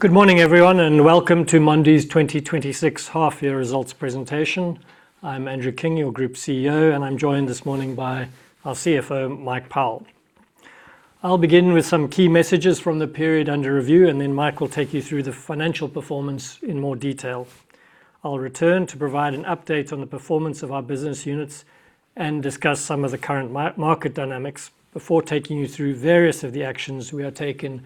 Good morning, everyone. Welcome to Mondi's 2026 half year results presentation. I'm Andrew King, your Group CEO, and I'm joined this morning by our Group CFO, Mike Powell. I'll begin with some key messages from the period under review. Mike will take you through the financial performance in more detail. I'll return to provide an update on the performance of our business units and discuss some of the current market dynamics before taking you through various of the actions we are taking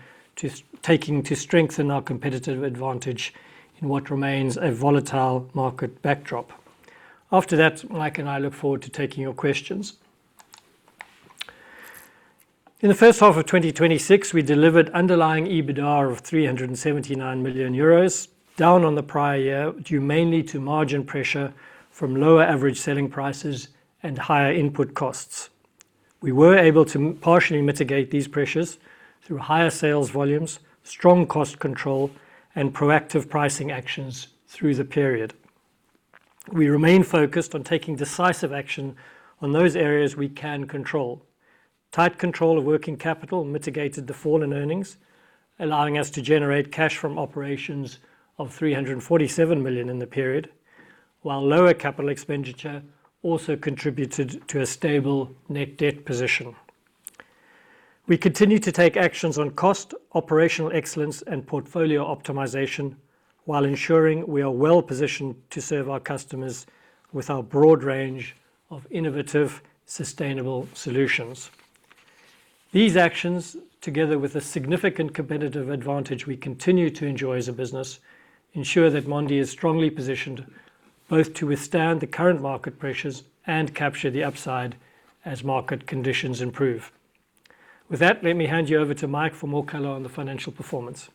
to strengthen our competitive advantage in what remains a volatile market backdrop. After that, Mike and I look forward to taking your questions. In the first half of 2026, we delivered underlying EBITDA of 379 million euros, down on the prior year due mainly to margin pressure from lower average selling prices and higher input costs. We were able to partially mitigate these pressures through higher sales volumes, strong cost control, and proactive pricing actions through the period. We remain focused on taking decisive action on those areas we can control. Tight control of working capital mitigated the fall in earnings, allowing us to generate cash from operations of 347 million in the period, while lower CapEx also contributed to a stable net debt position. We continue to take actions on cost, operational excellence and portfolio optimization while ensuring we are well-positioned to serve our customers with our broad range of innovative, sustainable solutions. These actions, together with the significant competitive advantage we continue to enjoy as a business, ensure that Mondi is strongly positioned both to withstand the current market pressures and capture the upside as market conditions improve. With that, let me hand you over to Mike for more color on the financial performance.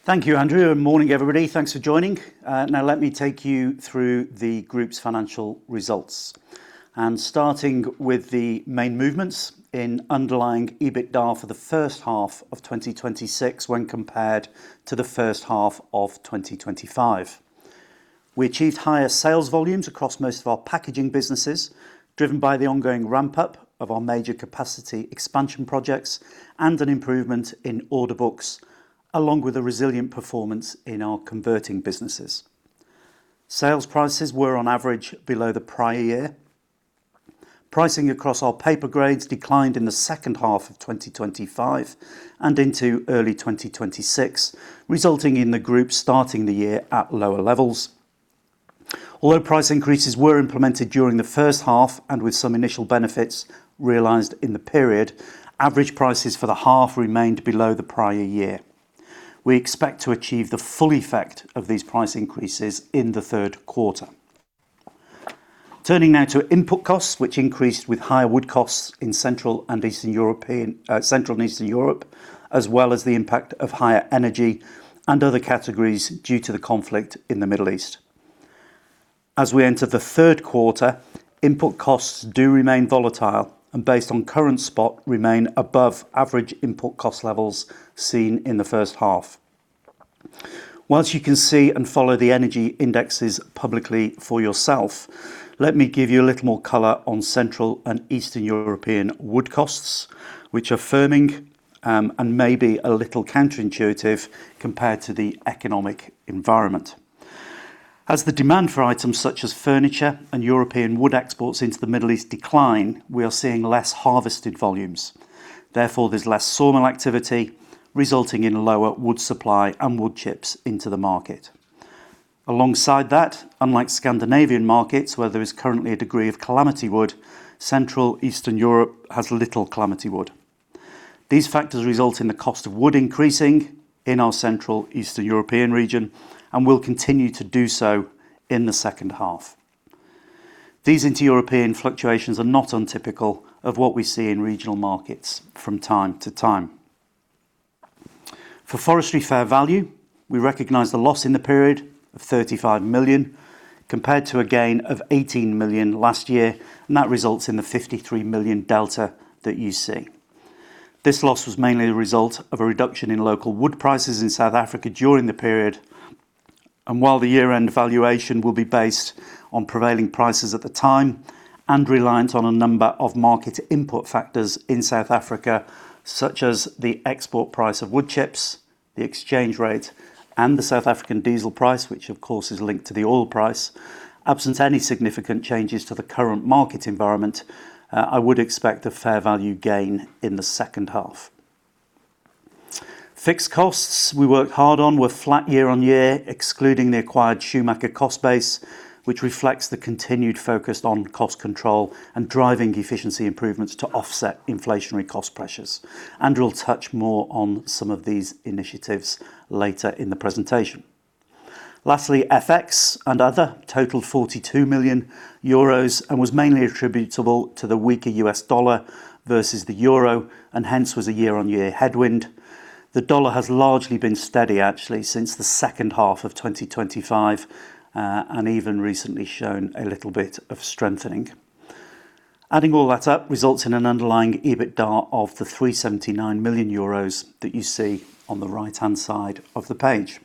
Thank you, Andrew. Morning, everybody. Thanks for joining. Now let me take you through the group's financial results, starting with the main movements in underlying EBITDA for the first half of 2026 when compared to the first half of 2025. We achieved higher sales volumes across most of our packaging businesses, driven by the ongoing ramp-up of our major capacity expansion projects and an improvement in order books, along with a resilient performance in our converting businesses. Sales prices were on average below the prior year. Pricing across our paper grades declined in the second half of 2025 and into early 2026, resulting in the group starting the year at lower levels. Although price increases were implemented during the first half and with some initial benefits realized in the period, average prices for the half remained below the prior year. We expect to achieve the full effect of these price increases in the third quarter. Turning now to input costs, which increased with higher wood costs in Central and Eastern Europe, as well as the impact of higher energy and other categories due to the conflict in the Middle East. As we enter the third quarter, input costs do remain volatile and, based on current spot, remain above average input cost levels seen in the first half. Whilst you can see and follow the energy indexes publicly for yourself, let me give you a little more color on Central and Eastern European wood costs, which are firming and may be a little counterintuitive compared to the economic environment. As the demand for items such as furniture and European wood exports into the Middle East decline, we are seeing less harvested volumes. There's less sawmill activity, resulting in lower wood supply and wood chips into the market. Alongside that, unlike Scandinavian markets, where there is currently a degree of calamity wood, Central Eastern Europe has little calamity wood. These factors result in the cost of wood increasing in our Central Eastern European region and will continue to do so in the second half. These inter-European fluctuations are not untypical of what we see in regional markets from time to time. For forestry fair value, we recognized a loss in the period of 35 million compared to a gain of 18 million last year, and that results in the 53 million delta that you see. This loss was mainly the result of a reduction in local wood prices in South Africa during the period, and while the year-end valuation will be based on prevailing prices at the time and reliant on a number of market input factors in South Africa, such as the export price of wood chips, the exchange rate, and the South African diesel price, which of course is linked to the oil price. Absent any significant changes to the current market environment, I would expect a fair value gain in the second half. Fixed costs we worked hard on were flat year-on-year, excluding the acquired Schumacher cost base, which reflects the continued focus on cost control and driving efficiency improvements to offset inflationary cost pressures. Andrew will touch more on some of these initiatives later in the presentation. Lastly, FX and other totaled 42 million euros and was mainly attributable to the weaker US dollar versus the euro, and hence was a year-on-year headwind. The dollar has largely been steady actually since the second half of 2025, and even recently shown a little bit of strengthening. Adding all that up results in an underlying EBITDA of the 379 million euros that you see on the right-hand side of the page.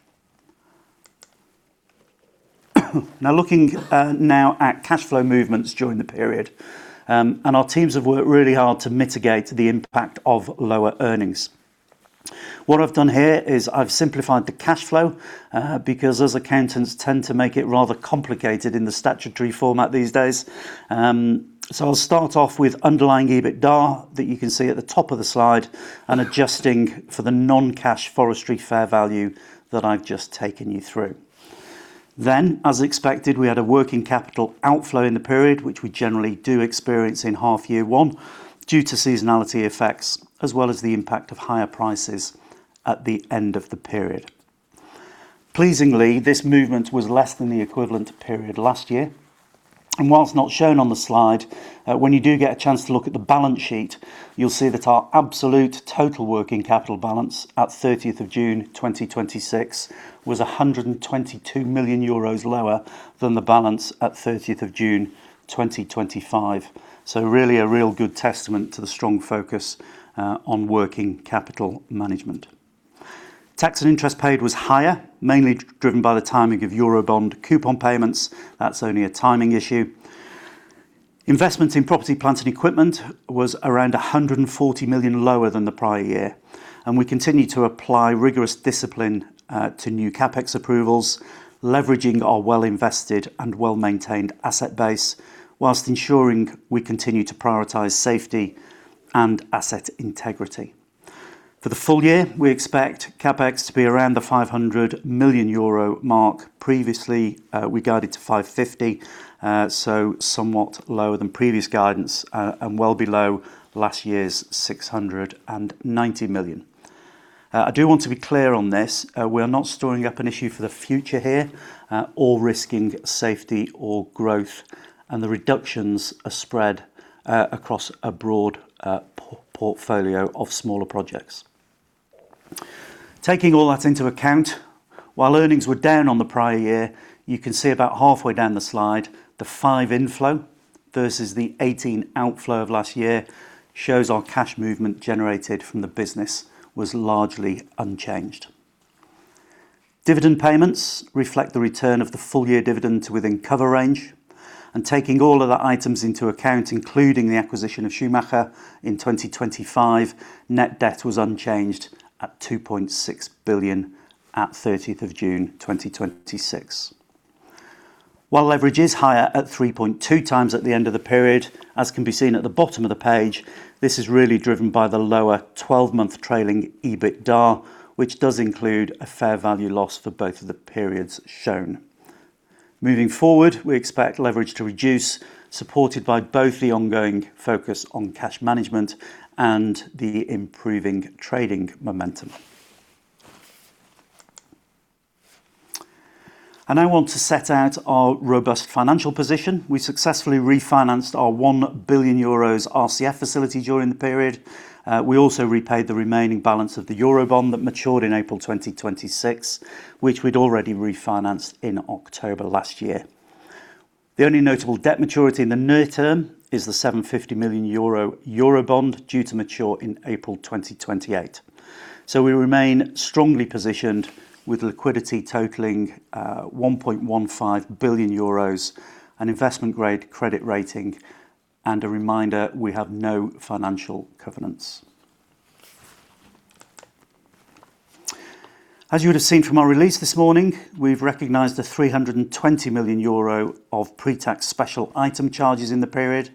Looking now at cash flow movements during the period. Our teams have worked really hard to mitigate the impact of lower earnings. What I've done here is I've simplified the cash flow, because us accountants tend to make it rather complicated in the statutory format these days. I'll start off with underlying EBITDA that you can see at the top of the slide, adjusting for the non-cash forestry fair value that I've just taken you through. As expected, we had a working capital outflow in the period, which we generally do experience in half year one due to seasonality effects as well as the impact of higher prices at the end of the period. Pleasingly, this movement was less than the equivalent period last year. Whilst not shown on the slide, when you do get a chance to look at the balance sheet, you'll see that our absolute total working capital balance at 30th of June 2026 was 122 million euros lower than the balance at 30th of June 2025. Really a real good testament to the strong focus on working capital management. Tax and interest paid was higher, mainly driven by the timing of Eurobond coupon payments. That's only a timing issue. Investments in property, plant, and equipment was around 140 million lower than the prior year. We continue to apply rigorous discipline to new CapEx approvals, leveraging our well-invested and well-maintained asset base whilst ensuring we continue to prioritize safety and asset integrity. For the full year, we expect CapEx to be around the 500 million euro mark. Previously, we guided to 550 million, so somewhat lower than previous guidance, and well below last year's 690 million. I do want to be clear on this. We are not storing up an issue for the future here, or risking safety or growth, and the reductions are spread across a broad portfolio of smaller projects. Taking all that into account, while earnings were down on the prior year, you can see about halfway down the slide, the 5 million inflow versus the 18 million outflow of last year shows our cash movement generated from the business was largely unchanged. Dividend payments reflect the return of the full-year dividend to within cover range. Taking all other items into account, including the acquisition of Schumacher in 2025, net debt was unchanged at 2.6 billion at 30th of June 2026. While leverage is higher at 3.2x at the end of the period, as can be seen at the bottom of the page, this is really driven by the lower 12-month trailing EBITDA, which does include a fair value loss for both of the periods shown. Moving forward, we expect leverage to reduce, supported by both the ongoing focus on cash management and the improving trading momentum. I want to set out our robust financial position. We successfully refinanced our 1 billion euros RCF facility during the period. We also repaid the remaining balance of the Eurobond that matured in April 2026, which we'd already refinanced in October last year. The only notable debt maturity in the near term is the 750 million euro Eurobond due to mature in April 2028. We remain strongly positioned with liquidity totaling 1.15 billion euros, an investment-grade credit rating, and a reminder, we have no financial covenants. As you would've seen from our release this morning, we've recognized a 320 million euro of pre-tax special item charges in the period.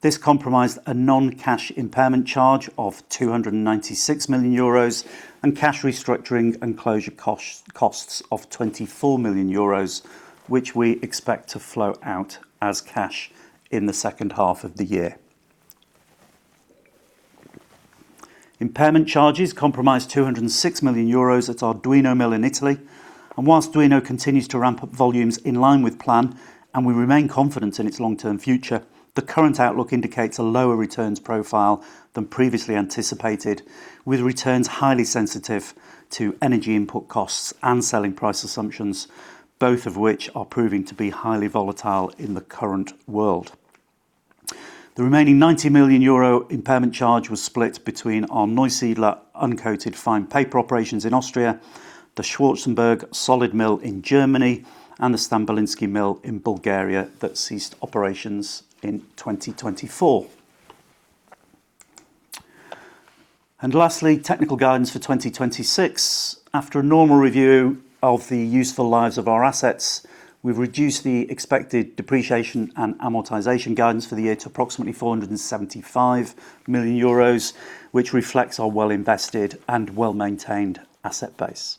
This compromised a non-cash impairment charge of 296 million euros and cash restructuring and closure costs of 24 million euros, which we expect to flow out as cash in the second half of the year. Impairment charges comprised 206 million euros at our Duino mill in Italy. Whilst Duino continues to ramp up volumes in line with plan and we remain confident in its long-term future, the current outlook indicates a lower returns profile than previously anticipated, with returns highly sensitive to energy input costs and selling price assumptions, both of which are proving to be highly volatile in the current world. The remaining 90 million euro impairment charge was split between our Neusiedler uncoated fine paper operations in Austria, the Schwarzenberg solid board mill in Germany, and the Stambolijski mill in Bulgaria that ceased operations in 2024. Lastly, technical guidance for 2026. After a normal review of the useful lives of our assets, we've reduced the expected depreciation and amortization guidance for the year to approximately 475 million euros, which reflects our well-invested and well-maintained asset base.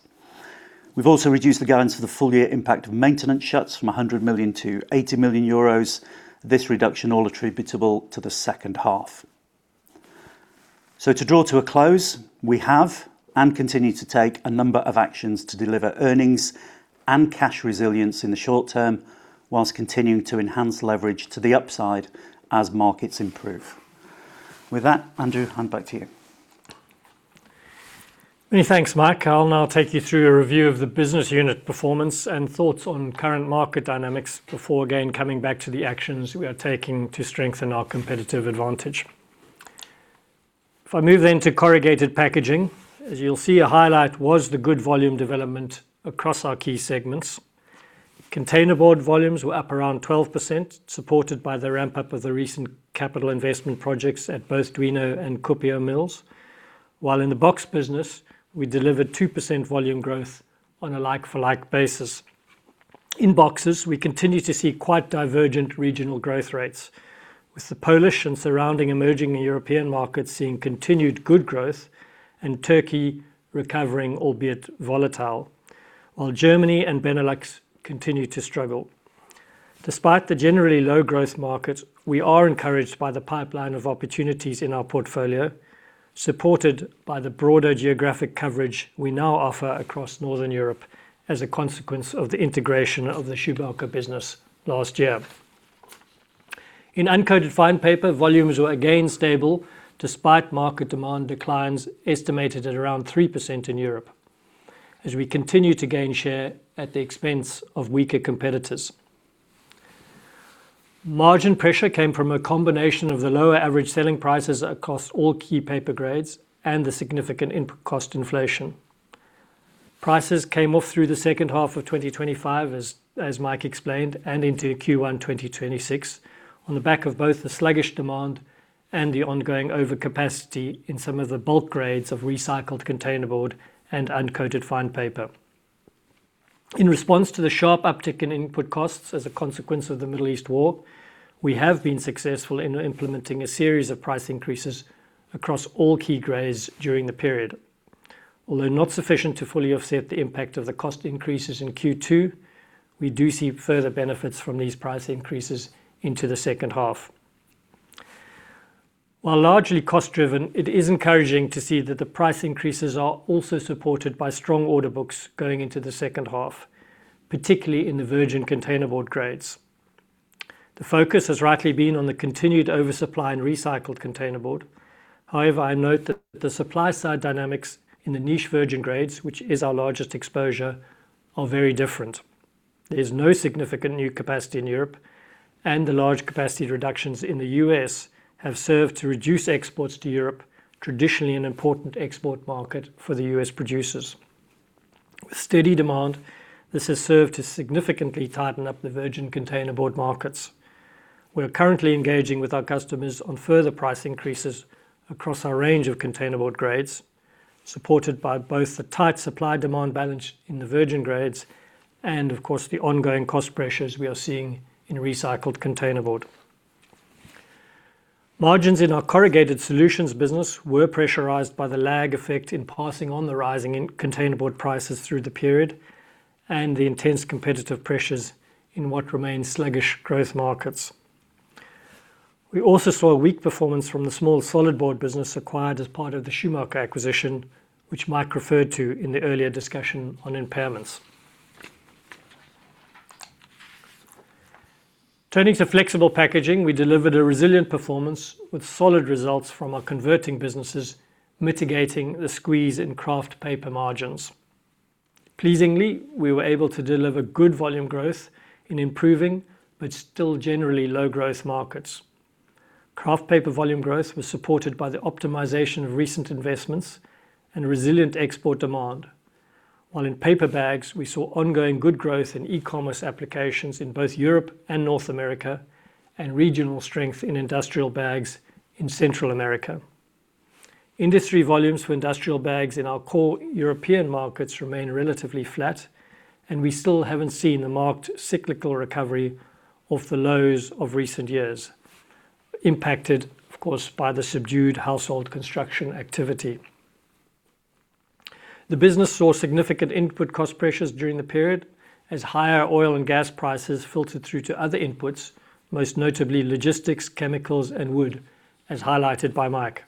We've also reduced the guidance for the full-year impact of maintenance shuts from 100 million to 80 million euros. This reduction all attributable to the second half. To draw to a close, we have and continue to take a number of actions to deliver earnings and cash resilience in the short term whilst continuing to enhance leverage to the upside as markets improve. With that, Andrew, hand back to you. Many thanks, Mike. I'll now take you through a review of the business unit performance and thoughts on current market dynamics before again coming back to the actions we are taking to strengthen our competitive advantage. To corrugated packaging, as you'll see, a highlight was the good volume development across our key segments. containerboard volumes were up around 12%, supported by the ramp-up of the recent capital investment projects at both Duino and Kuopio mills. While in the box business, we delivered 2% volume growth on a like-for-like basis. In boxes, we continue to see quite divergent regional growth rates, with the Polish and surrounding emerging European markets seeing continued good growth and Turkey recovering, albeit volatile. While Germany and Benelux continue to struggle. Despite the generally low growth markets, we are encouraged by the pipeline of opportunities in our portfolio, supported by the broader geographic coverage we now offer across Northern Europe as a consequence of the integration of the Schumacher Packaging business last year. In uncoated fine paper, volumes were again stable despite market demand declines estimated at around 3% in Europe, as we continue to gain share at the expense of weaker competitors. Margin pressure came from a combination of the lower average selling prices across all key paper grades and the significant input cost inflation. Prices came off through the second half of 2025, as Mike explained, and into Q1 2026, on the back of both the sluggish demand and the ongoing overcapacity in some of the bulk grades of recycled containerboard and uncoated fine paper. In response to the sharp uptick in input costs as a consequence of the Middle East war, we have been successful in implementing a series of price increases across all key grades during the period. Although not sufficient to fully offset the impact of the cost increases in Q2, we do see further benefits from these price increases into the second half. While largely cost-driven, it is encouraging to see that the price increases are also supported by strong order books going into the second half, particularly in the virgin containerboard grades. The focus has rightly been on the continued oversupply in recycled containerboard. However, I note that the supply side dynamics in the niche virgin grades, which is our largest exposure, are very different. There is no significant new capacity in Europe. The large capacity reductions in the U.S. have served to reduce exports to Europe, traditionally an important export market for the U.S. producers. With steady demand, this has served to significantly tighten up the virgin containerboard markets. We're currently engaging with our customers on further price increases across our range of containerboard grades, supported by both the tight supply-demand balance in the virgin grades and, of course, the ongoing cost pressures we are seeing in recycled containerboard. Margins in our corrugated solutions business were pressurized by the lag effect in passing on the rising containerboard prices through the period and the intense competitive pressures in what remain sluggish growth markets. We also saw a weak performance from the small solid board business acquired as part of the Schumacher acquisition, which Mike referred to in the earlier discussion on impairments. Turning to flexible packaging, we delivered a resilient performance with solid results from our converting businesses, mitigating the squeeze in kraft paper margins. Pleasingly, we were able to deliver good volume growth in improving, but still generally low growth markets. Kraft paper volume growth was supported by the optimization of recent investments and resilient export demand. While in paper bags, we saw ongoing good growth in e-commerce applications in both Europe and North America and regional strength in industrial bags in Central America. Industry volumes for industrial bags in our core European markets remain relatively flat, and we still haven't seen the marked cyclical recovery of the lows of recent years, impacted, of course, by the subdued household construction activity. The business saw significant input cost pressures during the period as higher oil and gas prices filtered through to other inputs, most notably logistics, chemicals, and wood, as highlighted by Mike.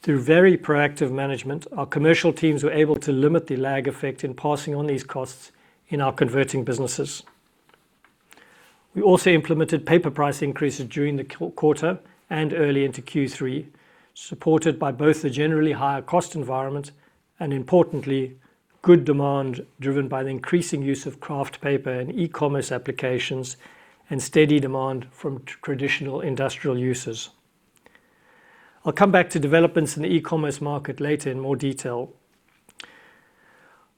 Through very proactive management, our commercial teams were able to limit the lag effect in passing on these costs in our converting businesses. We also implemented paper price increases during the quarter and early into Q3, supported by both the generally higher cost environment and, importantly, good demand driven by the increasing use of kraft paper and e-commerce applications and steady demand from traditional industrial uses. I'll come back to developments in the e-commerce market later in more detail.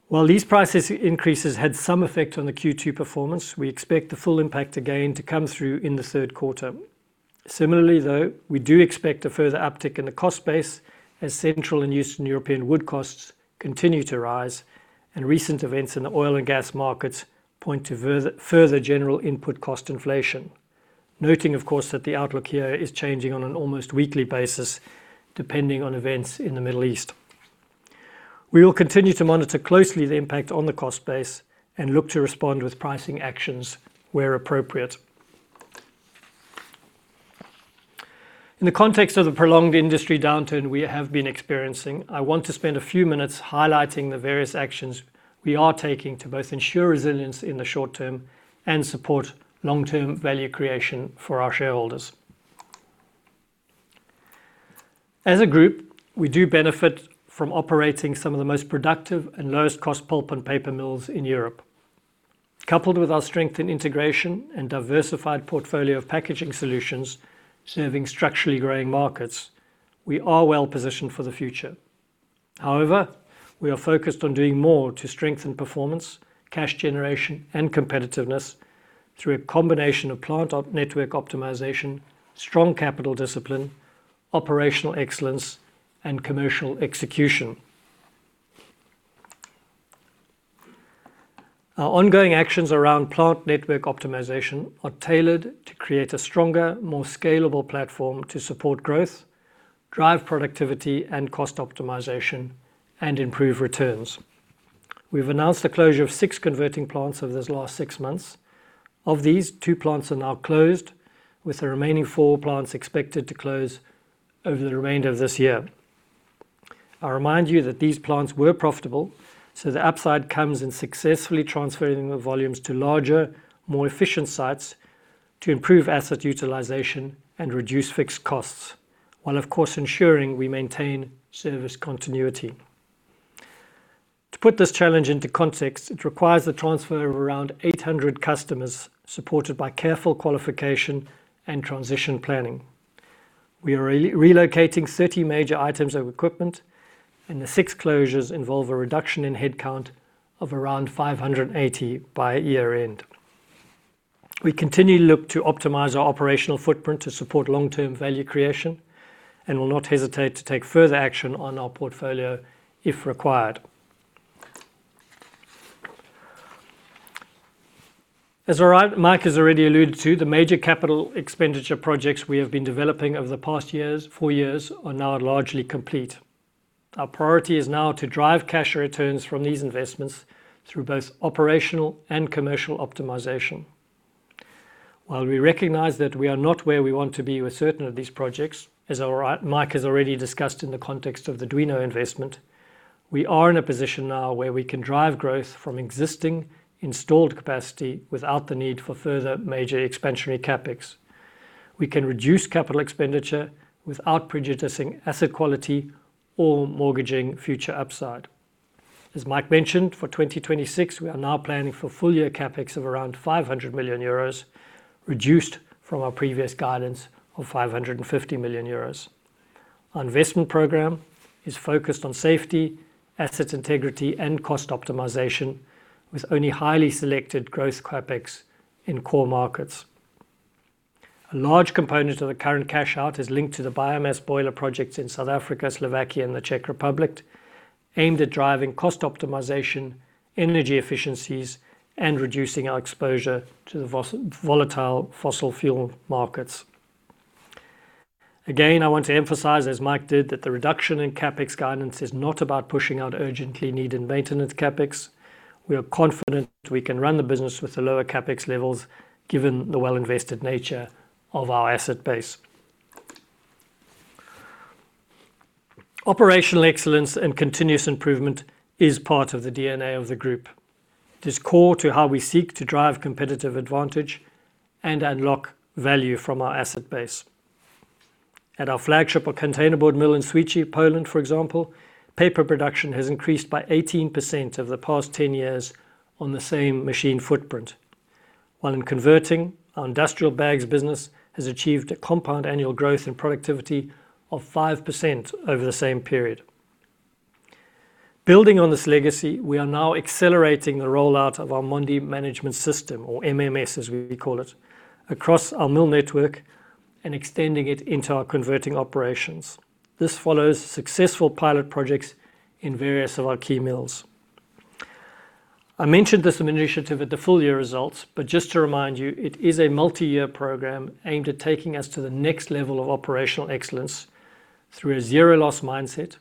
While these price increases had some effect on the Q2 performance, we expect the full impact again to come through in the third quarter. Similarly, though, we do expect a further uptick in the cost base as Central and Eastern European wood costs continue to rise and recent events in the oil and gas markets point to further general input cost inflation. Noting, of course, that the outlook here is changing on an almost weekly basis, depending on events in the Middle East. We will continue to monitor closely the impact on the cost base and look to respond with pricing actions where appropriate. In the context of the prolonged industry downturn we have been experiencing, I want to spend a few minutes highlighting the various actions we are taking to both ensure resilience in the short term and support long-term value creation for our shareholders. As a group, we do benefit from operating some of the most productive and lowest-cost pulp and paper mills in Europe. Coupled with our strength in integration and diversified portfolio of packaging solutions serving structurally growing markets, we are well positioned for the future. However, we are focused on doing more to strengthen performance, cash generation, and competitiveness through a combination of plant network optimization, strong capital discipline, operational excellence, and commercial execution. Our ongoing actions around plant network optimization are tailored to create a stronger, more scalable platform to support growth, drive productivity and cost optimization, and improve returns. We've announced the closure of six converting plants over this last six months. Of these, two plants are now closed, with the remaining four plants expected to close over the remainder of this year. I remind you that these plants were profitable, so the upside comes in successfully transferring the volumes to larger, more efficient sites to improve asset utilization and reduce fixed costs, while, of course, ensuring we maintain service continuity. To put this challenge into context, it requires the transfer of around 800 customers supported by careful qualification and transition planning. We are relocating 30 major items of equipment, and the six closures involve a reduction in headcount of around 580 by year-end. We continue to look to optimize our operational footprint to support long-term value creation and will not hesitate to take further action on our portfolio if required. As Mike has already alluded to, the major capital expenditure projects we have been developing over the past four years are now largely complete. Our priority is now to drive cash returns from these investments through both operational and commercial optimization. While we recognize that we are not where we want to be with certain of these projects, as Mike has already discussed in the context of the Duino investment, we are in a position now where we can drive growth from existing installed capacity without the need for further major expansionary CapEx. We can reduce capital expenditure without prejudicing asset quality or mortgaging future upside. As Mike mentioned, for 2026, we are now planning for full-year CapEx of around 500 million euros, reduced from our previous guidance of 550 million euros. Our investment program is focused on safety, asset integrity, and cost optimization, with only highly selected growth CapEx in core markets. A large component of the current cash out is linked to the biomass boiler projects in South Africa, Slovakia, and the Czech Republic, aimed at driving cost optimization, energy efficiencies, and reducing our exposure to the volatile fossil fuel markets. I want to emphasize, as Mike did, that the reduction in CapEx guidance is not about pushing out urgently needed maintenance CapEx. We are confident we can run the business with the lower CapEx levels given the well invested nature of our asset base. Operational excellence and continuous improvement is part of the DNA of the group. It is core to how we seek to drive competitive advantage and unlock value from our asset base. At our flagship containerboard mill in Świecie, Poland, for example, paper production has increased by 18% over the past 10 years on the same machine footprint. While in converting, our industrial bags business has achieved a compound annual growth in productivity of 5% over the same period. Building on this legacy, we are now accelerating the rollout of our Mondi Management System, or MMS as we call it, across our mill network and extending it into our converting operations. This follows successful pilot projects in various of our key mills. I mentioned this initiative at the full year results, just to remind you, it is a multi-year program aimed at taking us to the next level of operational excellence through a zero loss mindset,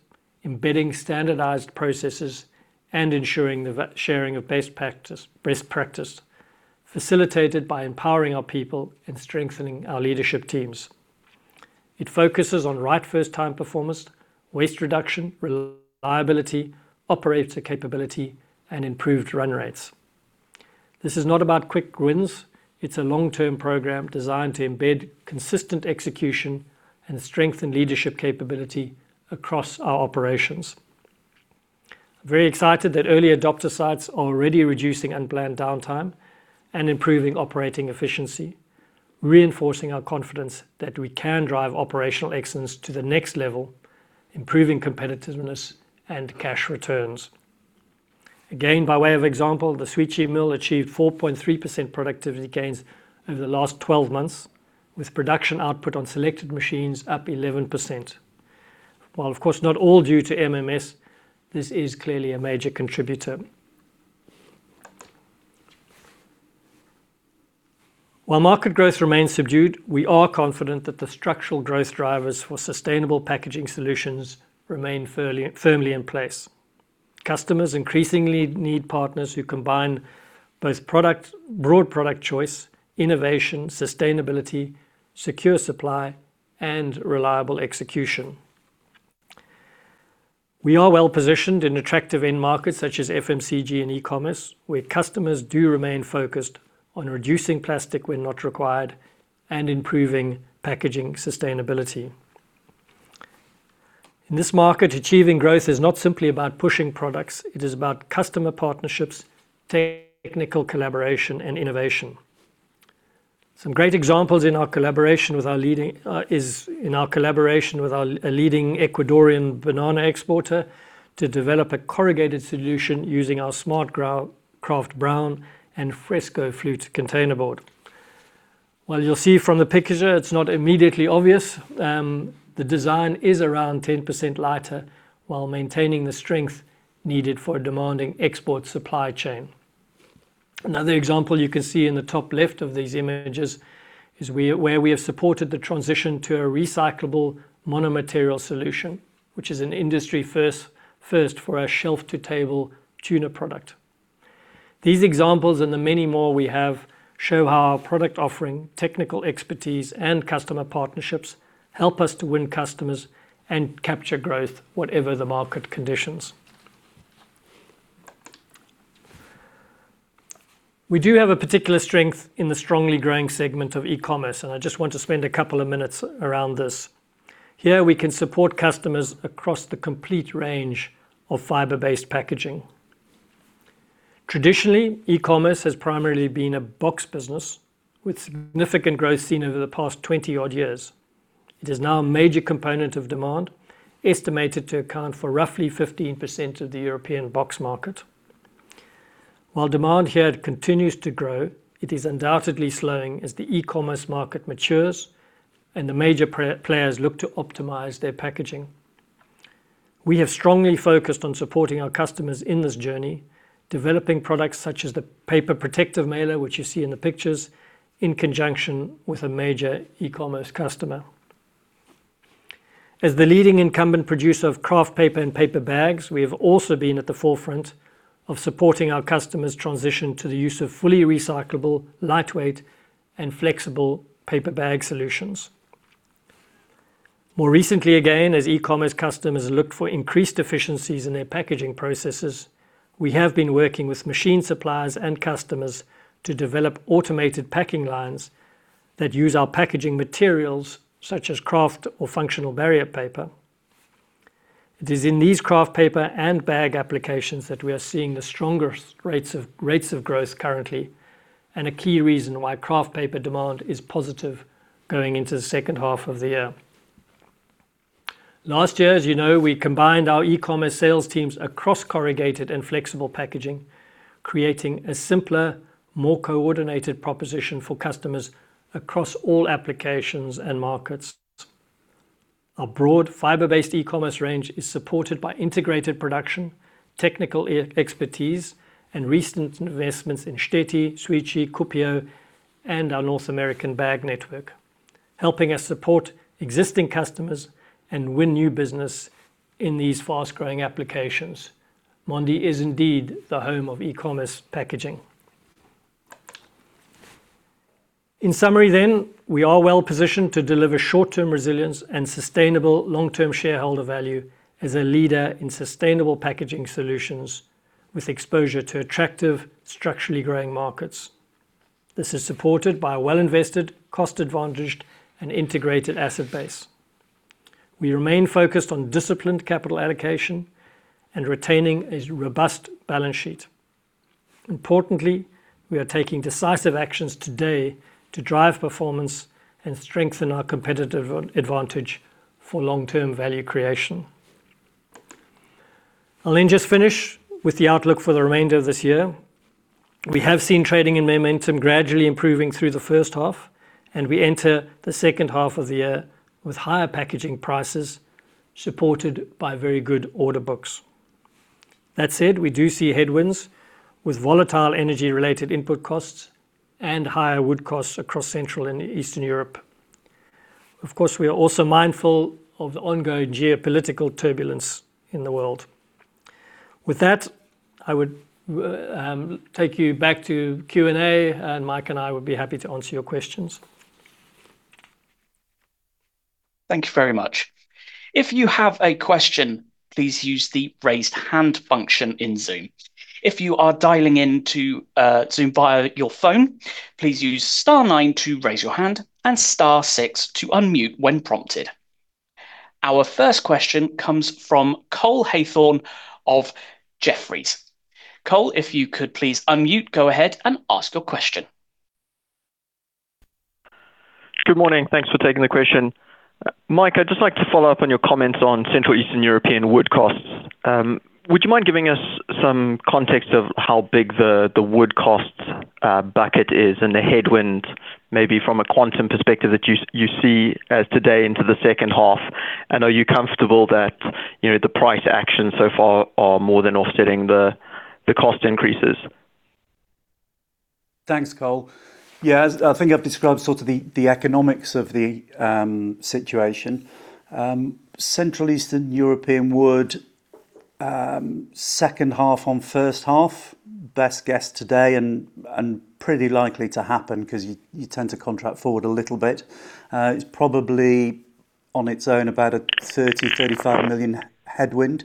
embedding standardized processes, and ensuring the sharing of best practice, facilitated by empowering our people and strengthening our leadership teams. It focuses on right first time performance, waste reduction, reliability, operator capability, and improved run rates. This is not about quick wins. It's a long-term program designed to embed consistent execution and strengthen leadership capability across our operations. Very excited that early adopter sites are already reducing unplanned downtime and improving operating efficiency, reinforcing our confidence that we can drive operational excellence to the next level, improving competitiveness and cash returns. By way of example, the Świecie mill achieved 4.3% productivity gains over the last 12 months, with production output on selected machines up 11%. Of course not all due to MMS, this is clearly a major contributor. Market growth remains subdued, we are confident that the structural growth drivers for sustainable packaging solutions remain firmly in place. Customers increasingly need partners who combine both broad product choice, innovation, sustainability, secure supply, and reliable execution. We are well positioned in attractive end markets such as FMCG and e-commerce, where customers do remain focused on reducing plastic when not required and improving packaging sustainability. In this market, achieving growth is not simply about pushing products, it is about customer partnerships, technical collaboration, and innovation. Some great examples is in our collaboration with our leading Ecuadorian banana exporter to develop a corrugated solution using our SmartKraft brown and Frescoflute container board. You'll see from the picture, it's not immediately obvious, the design is around 10% lighter while maintaining the strength needed for a demanding export supply chain. Another example you can see in the top left of these images is where we have supported the transition to a recyclable mono-material solution, which is an industry first for our shelf-to-table tuna product. These examples and the many more we have show how our product offering, technical expertise, and customer partnerships help us to win customers and capture growth whatever the market conditions. We do have a particular strength in the strongly growing segment of e-commerce, and I just want to spend a couple of minutes around this. Here we can support customers across the complete range of fiber-based packaging. Traditionally, e-commerce has primarily been a box business with significant growth seen over the past 20 odd years. It is now a major component of demand, estimated to account for roughly 15% of the European box market. While demand here continues to grow, it is undoubtedly slowing as the e-commerce market matures and the major players look to optimize their packaging. We have strongly focused on supporting our customers in this journey, developing products such as the paper protective mailer, which you see in the pictures, in conjunction with a major e-commerce customer. As the leading incumbent producer of kraft paper and paper bags, we have also been at the forefront of supporting our customers' transition to the use of fully recyclable, lightweight, and flexible paper bag solutions. More recently, again, as e-commerce customers look for increased efficiencies in their packaging processes, we have been working with machine suppliers and customers to develop automated packing lines that use our packaging materials such as kraft or FunctionalBarrier Paper. It is in these kraft paper and bag applications that we are seeing the strongest rates of growth currently, and a key reason why kraft paper demand is positive going into the second half of the year. Last year, as you know, we combined our e-commerce sales teams across Corrugated Packaging and Flexible Packaging, creating a simpler, more coordinated proposition for customers across all applications and markets. Our broad fiber-based e-commerce range is supported by integrated production, technical expertise, and recent investments in Štětí, Świecie, Kuopio, and our North American bag network, helping us support existing customers and win new business in these fast-growing applications. Mondi is indeed the home of e-commerce packaging. In summary then, we are well-positioned to deliver short-term resilience and sustainable long-term shareholder value as a leader in sustainable packaging solutions with exposure to attractive, structurally growing markets. This is supported by a well-invested, cost-advantaged, and integrated asset base. We remain focused on disciplined capital allocation and retaining a robust balance sheet. Importantly, we are taking decisive actions today to drive performance and strengthen our competitive advantage for long-term value creation. I'll then just finish with the outlook for the remainder of this year. We have seen trading and momentum gradually improving through the first half, and we enter the second half of the year with higher packaging prices supported by very good order books. That said, we do see headwinds with volatile energy-related input costs and higher wood costs across Central and Eastern Europe. Of course, we are also mindful of the ongoing geopolitical turbulence in the world. With that, I would take you back to Q&A, and Mike and I would be happy to answer your questions. Thank you very much. If you have a question, please use the raise hand function in Zoom. If you are dialing into Zoom via your phone, please use star nine to raise your hand and star six to unmute when prompted. Our first question comes from Cole Hathorn of Jefferies. Cole, if you could please unmute, go ahead and ask your question. Good morning. Thanks for taking the question. Mike, I'd just like to follow up on your comments on Central Eastern European wood costs. Would you mind giving us some context of how big the wood cost bucket is and the headwind maybe from a quantum perspective that you see as today into the second half? Are you comfortable that the price actions so far are more than offsetting the cost increases? Thanks, Cole. I think I've described sort of the economics of the situation. Central Eastern European wood, second half on first half, best guess today and pretty likely to happen because you tend to contract forward a little bit. It's probably on its own about a 30 million, 35 million headwind.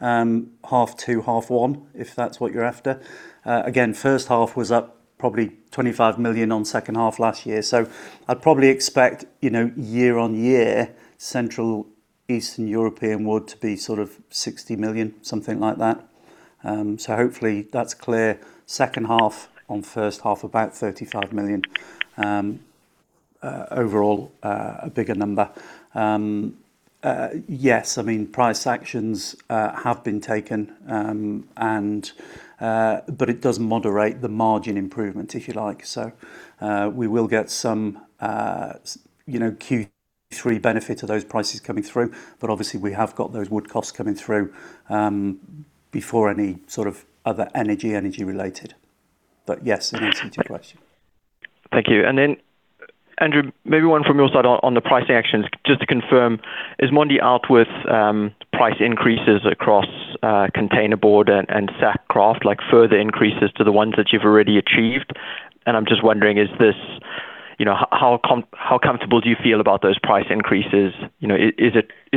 Half two, half one, if that's what you're after. Again, first half was up probably 25 million on second half last year. I'd probably expect year-over-year, Central Eastern European wood to be 60 million, something like that. Hopefully that's clear. Second half on first half, about 35 million. Overall, a bigger number. Yes, price actions have been taken, it does moderate the margin improvement, if you like. We will get some Q3 benefit of those prices coming through, obviously we have got those wood costs coming through before any sort of other energy related. Yes, in answer to your question. Thank you. Andrew, maybe one from your side on the pricing actions. Just to confirm, is Mondi out with price increases across containerboard and sack kraft, like further increases to the ones that you've already achieved? I'm just wondering, how comfortable do you feel about those price increases? Is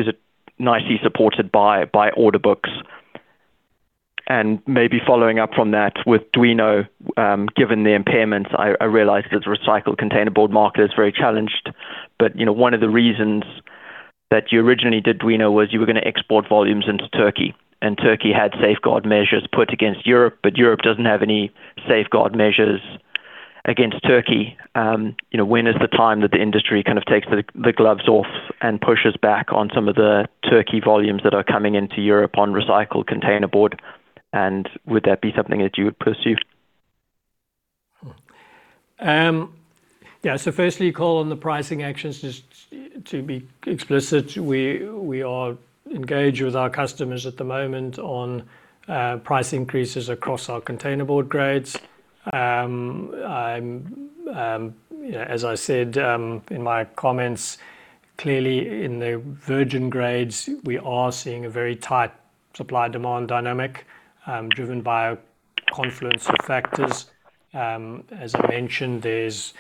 it nicely supported by order books? Maybe following up from that with Duino, given the impairments, I realize the recycled containerboard market is very challenged. One of the reasons that you originally did Duino was you were going to export volumes into Turkey. Turkey had safeguard measures put against Europe, but Europe doesn't have any safeguard measures against Turkey. When is the time that the industry kind of takes the gloves off and pushes back on some of the Turkey volumes that are coming into Europe on recycled containerboard? Would that be something that you would pursue? Firstly, Cole, on the pricing actions, just to be explicit, we are engaged with our customers at the moment on price increases across our containerboard grades. As I said in my comments, clearly in the virgin grades, we are seeing a very tight supply-demand dynamic driven by a confluence of factors. As I mentioned, there's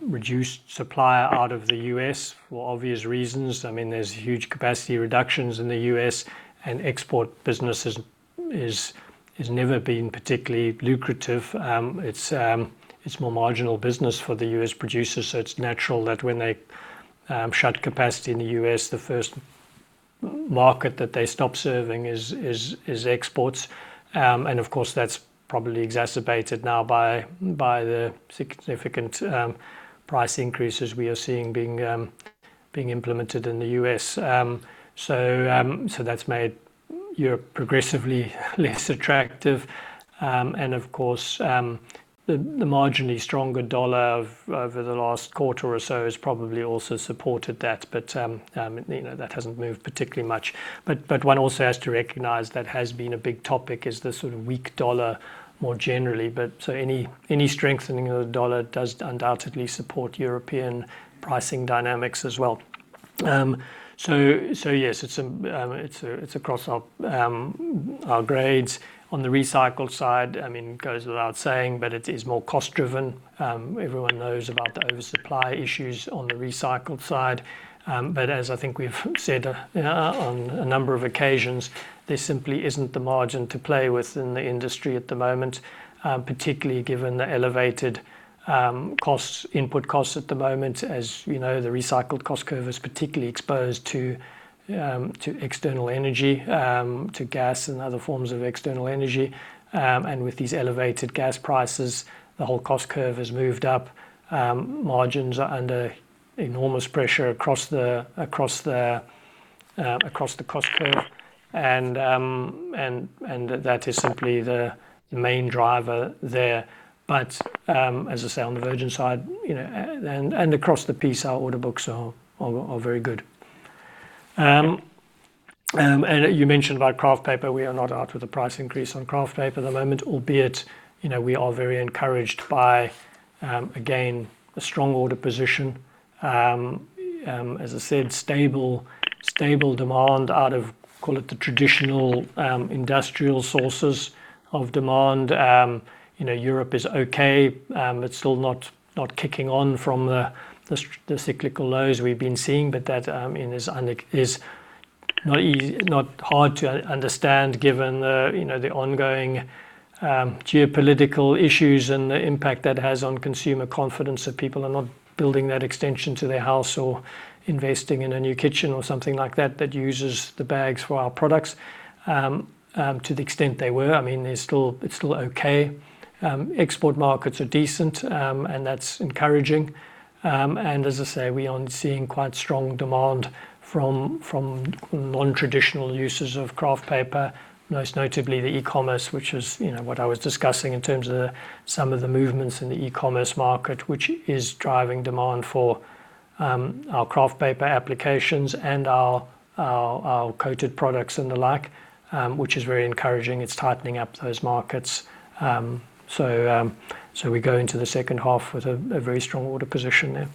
reduced supply out of the U.S. for obvious reasons. There's huge capacity reductions in the U.S., and export business has never been particularly lucrative. It's more marginal business for the U.S. producers, so it's natural that when they shut capacity in the U.S., the first market that they stop serving is exports. Of course, that's probably exacerbated now by the significant price increases we are seeing being implemented in the U.S. That's made Europe progressively less attractive. Of course, the marginally stronger U.S. dollar over the last quarter or so has probably also supported that. That hasn't moved particularly much. One also has to recognize that has been a big topic, is the sort of weak U.S. dollar more generally. Any strengthening of the U.S. dollar does undoubtedly support European pricing dynamics as well. Yes, it's across our grades. On the recycled side, it goes without saying, it is more cost-driven. Everyone knows about the oversupply issues on the recycled side. As I think we've said on a number of occasions, there simply isn't the margin to play with in the industry at the moment, particularly given the elevated input costs at the moment. As you know, the recycled cost curve is particularly exposed to external energy, to gas and other forms of external energy. With these elevated gas prices, the whole cost curve has moved up. Margins are under enormous pressure across the cost curve. That is simply the main driver there. As I say, on the virgin side and across the piece, our order books are very good. You mentioned about kraft paper. We are not out with a price increase on kraft paper at the moment, albeit we are very encouraged by, again, a strong order position. As I said, stable demand out of, call it the traditional industrial sources of demand. Europe is okay. It's still not kicking on from the cyclical lows we've been seeing, but that is not hard to understand given the ongoing geopolitical issues and the impact that has on consumer confidence, that people are not building that extension to their house or investing in a new kitchen or something like that uses the bags for our products, to the extent they were. It's still okay. Export markets are decent, and that's encouraging. As I say, we are seeing quite strong demand from non-traditional uses of kraft paper, most notably the e-commerce, which is what I was discussing in terms of some of the movements in the e-commerce market, which is driving demand for our kraft paper applications and our coated products and the like, which is very encouraging. It's tightening up those markets. We go into the second half with a very strong order position there.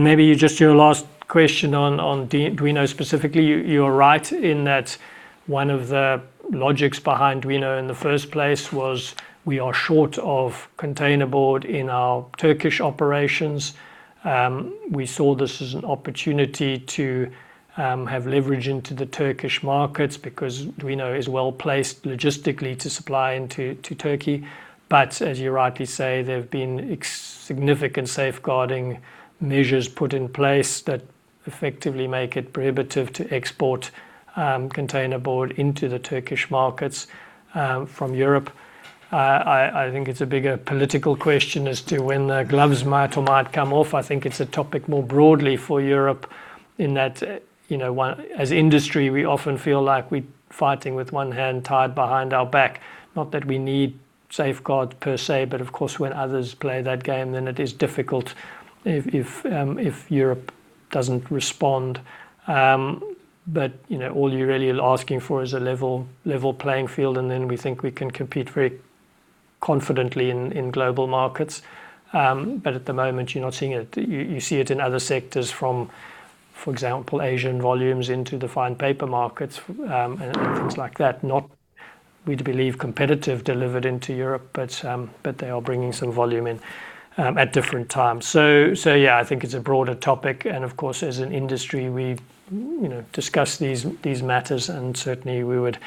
Maybe just your last question on Duino specifically, you are right in that one of the logics behind Duino in the first place was we are short of containerboard in our Turkish operations. We saw this as an opportunity to have leverage into the Turkish markets because Duino is well-placed logistically to supply into Turkey. As you rightly say, there have been significant safeguarding measures put in place that effectively make it prohibitive to export container board into the Turkish markets from Europe. I think it's a bigger political question as to when the gloves might or might come off. I think it's a topic more broadly for Europe in that, as industry, we often feel like we're fighting with one hand tied behind our back. Not that we need safeguards per se, but of course, when others play that game, then it is difficult if Europe doesn't respond. All you're really asking for is a level playing field, and then we think we can compete very confidently in global markets. At the moment, you're not seeing it. You see it in other sectors from, for example, Asian volumes into the fine paper markets, and things like that. Not, we'd believe, competitive delivered into Europe, but they are bringing some volume in at different times. Yeah, I think it's a broader topic, and of course, as an industry, we discuss these matters, and certainly, we would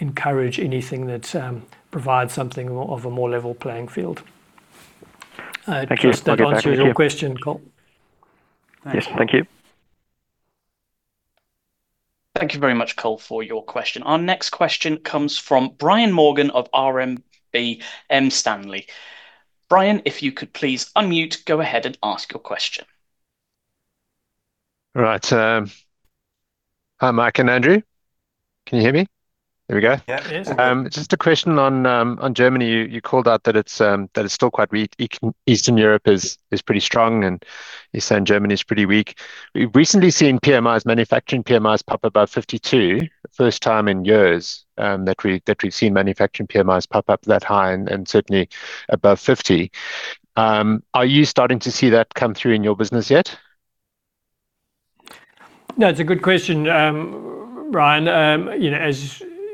encourage anything that provides something of a more level playing field. Thank you. I will hand it back to you. Does that answer your question, Cole? Yes. Thank you. Thank you very much, Cole, for your question. Our next question comes from Brian Morgan of RMB M Stanley. Brian, if you could please unmute, go ahead and ask your question. Right. Hi, Mike and Andrew. Can you hear me? There we go. Yeah. Yes. Just a question on Germany. You called out that it's still quite weak. Eastern Europe is pretty strong, and you're saying Germany's pretty weak. We've recently seen PMIs, manufacturing PMIs, pop above 52. First time in years that we've seen manufacturing PMIs pop up that high and certainly above 50. Are you starting to see that come through in your business yet? No, it's a good question, Brian.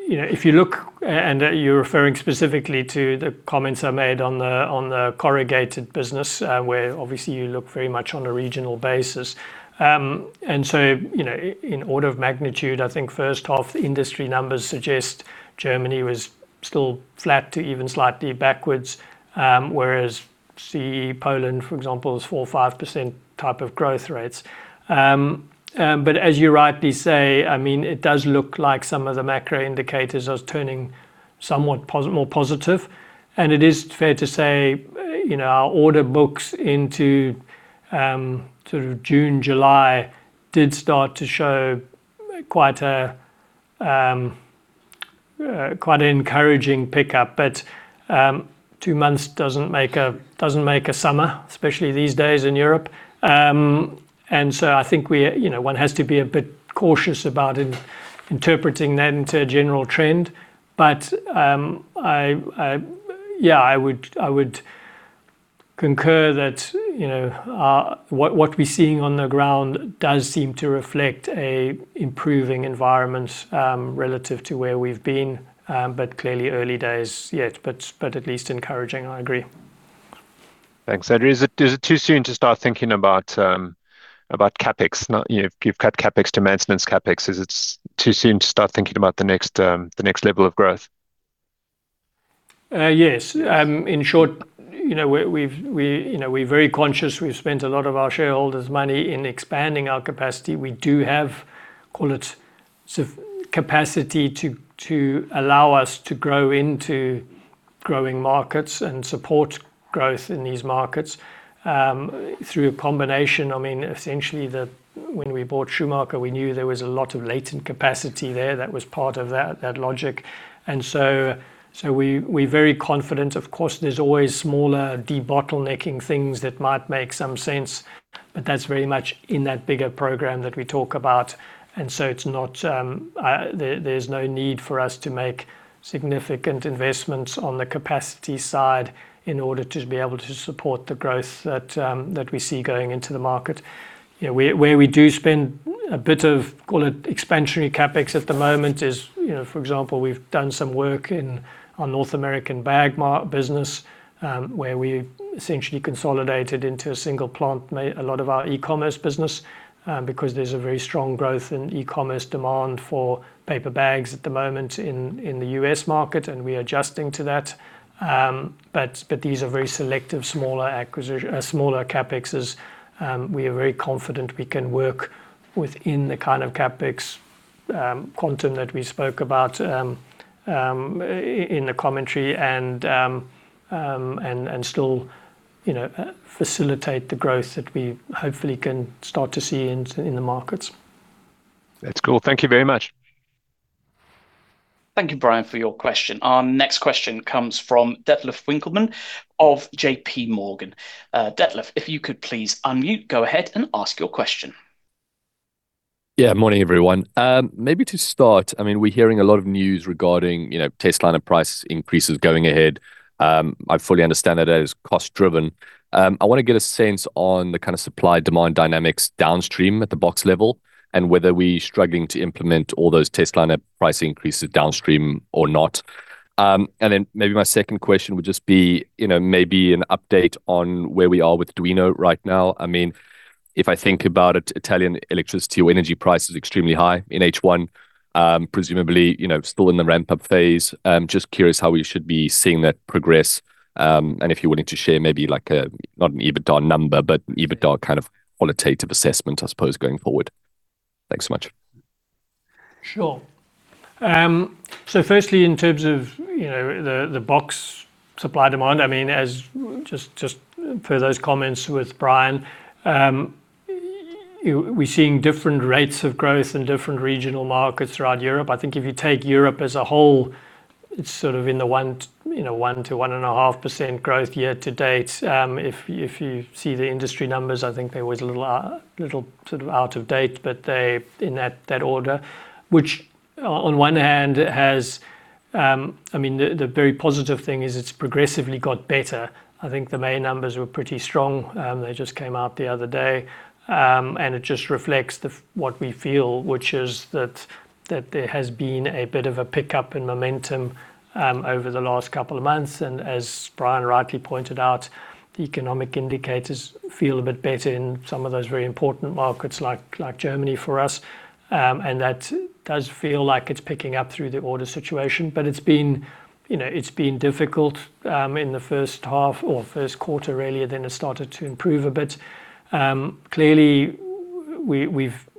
If you look, and you're referring specifically to the comments I made on the corrugated business, where obviously you look very much on a regional basis. In order of magnitude, I think first half industry numbers suggest Germany was still flat to even slightly backwards, whereas CEE, Poland, for example, is 4%, 5% type of growth rates. As you rightly say, it does look like some of the macro indicators are turning somewhat more positive. It is fair to say, our order books into June, July did start to show quite an encouraging pickup. Two months doesn't make a summer, especially these days in Europe. I think one has to be a bit cautious about interpreting that into a general trend. Yeah, I would concur that what we're seeing on the ground does seem to reflect an improving environment relative to where we've been. Clearly early days yet, but at least encouraging, I agree. Thanks, Andrew. Is it too soon to start thinking about CapEx? You've cut CapEx to maintenance CapEx. Is it too soon to start thinking about the next level of growth? Yes. In short, we're very conscious. We've spent a lot of our shareholders' money in expanding our capacity. We do have, call it capacity to allow us to grow into growing markets and support growth in these markets through a combination. Essentially, when we bought Schumacher, we knew there was a lot of latent capacity there that was part of that logic. We're very confident. Of course, there's always smaller debottlenecking things that might make some sense, but that's very much in that bigger program that we talk about. There's no need for us to make significant investments on the capacity side in order to be able to support the growth that we see going into the market. Where we do spend a bit of, call it expansionary CapEx at the moment is, for example, we've done some work in our North American bag business, where we essentially consolidated into a single plant a lot of our e-commerce business because there's a very strong growth in e-commerce demand for paper bags at the moment in the U.S. market, and we are adjusting to that. These are very selective, smaller CapExes. We are very confident we can work within the kind of CapEx quantum that we spoke about in the commentary and still facilitate the growth that we hopefully can start to see in the markets. That's cool. Thank you very much. Thank you, Brian, for your question. Our next question comes from Detlef Winckelmann of JPMorgan. Detlef, if you could please unmute, go ahead and ask your question. Morning, everyone. Maybe to start, we're hearing a lot of news regarding testliner and price increases going ahead. I fully understand that that is cost-driven. I want to get a sense on the kind of supply-demand dynamics downstream at the box level and whether we're struggling to implement all those testliner price increases downstream or not. Then maybe my second question would just be maybe an update on where we are with Duino right now. If I think about it, Italian electricity or energy price is extremely high in H1, presumably still in the ramp-up phase. Just curious how we should be seeing that progress, and if you're willing to share maybe like a, not an EBITDA number, but an EBITDA kind of qualitative assessment, I suppose, going forward. Thanks so much. Sure. Firstly, in terms of the box supply-demand, just for those comments with Brian, we're seeing different rates of growth in different regional markets throughout Europe. I think if you take Europe as a whole, it's sort of in the 1% to 1.5% growth year to date. If you see the industry numbers, I think they're always a little sort of out of date, but they're in that order, which The very positive thing is it's progressively got better. I think the May numbers were pretty strong. They just came out the other day, and it just reflects what we feel, which is that there has been a bit of a pickup in momentum over the last couple of months. As Brian rightly pointed out, the economic indicators feel a bit better in some of those very important markets like Germany for us. That does feel like it's picking up through the order situation, but it's been difficult in the first half or first quarter really, then it started to improve a bit. Clearly,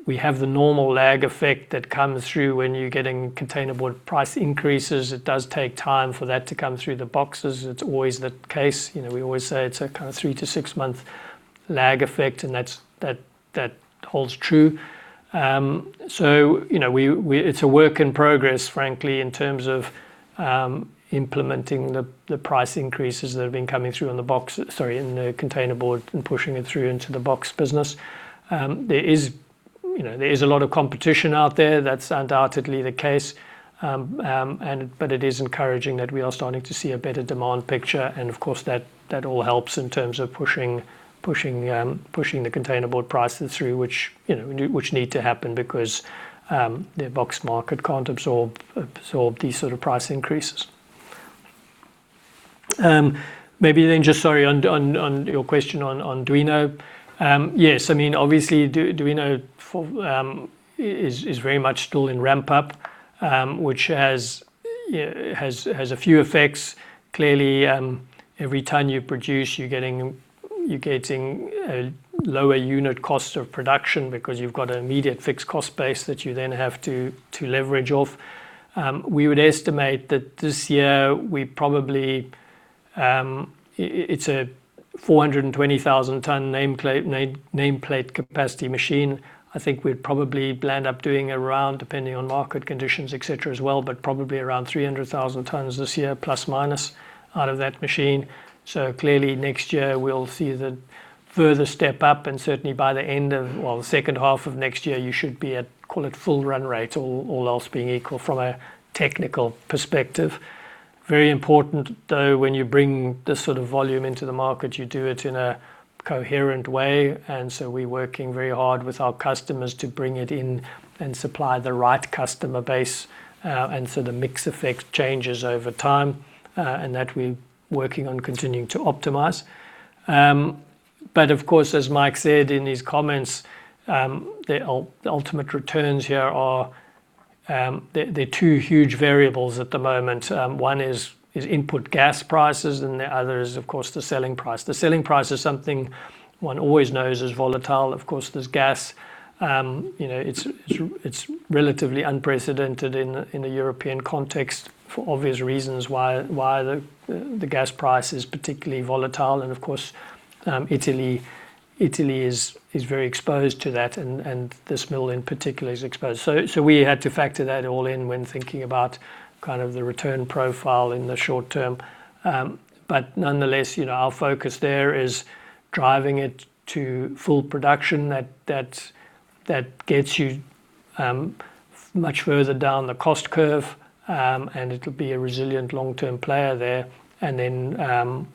we have the normal lag effect that comes through when you're getting containerboard price increases. It does take time for that to come through the boxes. It's always the case. We always say it's a kind of three to six month lag effect, and that holds true. It's a work in progress, frankly, in terms of implementing the price increases that have been coming through in the containerboard and pushing it through into the box business. There is a lot of competition out there. That's undoubtedly the case. It is encouraging that we are starting to see a better demand picture, and of course, that all helps in terms of pushing the containerboard prices through, which need to happen because the box market can't absorb these sort of price increases. Maybe then just, sorry, on your question on Duino. Yes, obviously Duino is very much still in ramp-up, which has a few effects. Clearly, every time you produce, you're getting a lower unit cost of production because you've got an immediate fixed cost base that you then have to leverage off. We would estimate that this year it's a 420,000 ton nameplate capacity machine. I think we'd probably blend up doing around, depending on market conditions, etc., as well, but probably around 300,000 tons this year, plus or minus out of that machine. Clearly next year we'll see the further step up, and certainly by the end of the second half of next year, you should be at call it full run rate, all else being equal from a technical perspective. Very important though, when you bring this sort of volume into the market, you do it in a coherent way. We're working very hard with our customers to bring it in and supply the right customer base. The mix effect changes over time, and that we're working on continuing to optimize. Of course, as Mike said in his comments, the ultimate returns here are. There are two huge variables at the moment. One is input gas prices and the other is, of course, the selling price. The selling price is something one always knows is volatile. Of course, there's gas. It's relatively unprecedented in the European context for obvious reasons why the gas price is particularly volatile. Of course, Italy is very exposed to that, and this mill in particular is exposed. We had to factor that all in when thinking about kind of the return profile in the short term. Nonetheless, our focus there is driving it to full production. That gets you much further down the cost curve, and it'll be a resilient long-term player there. Then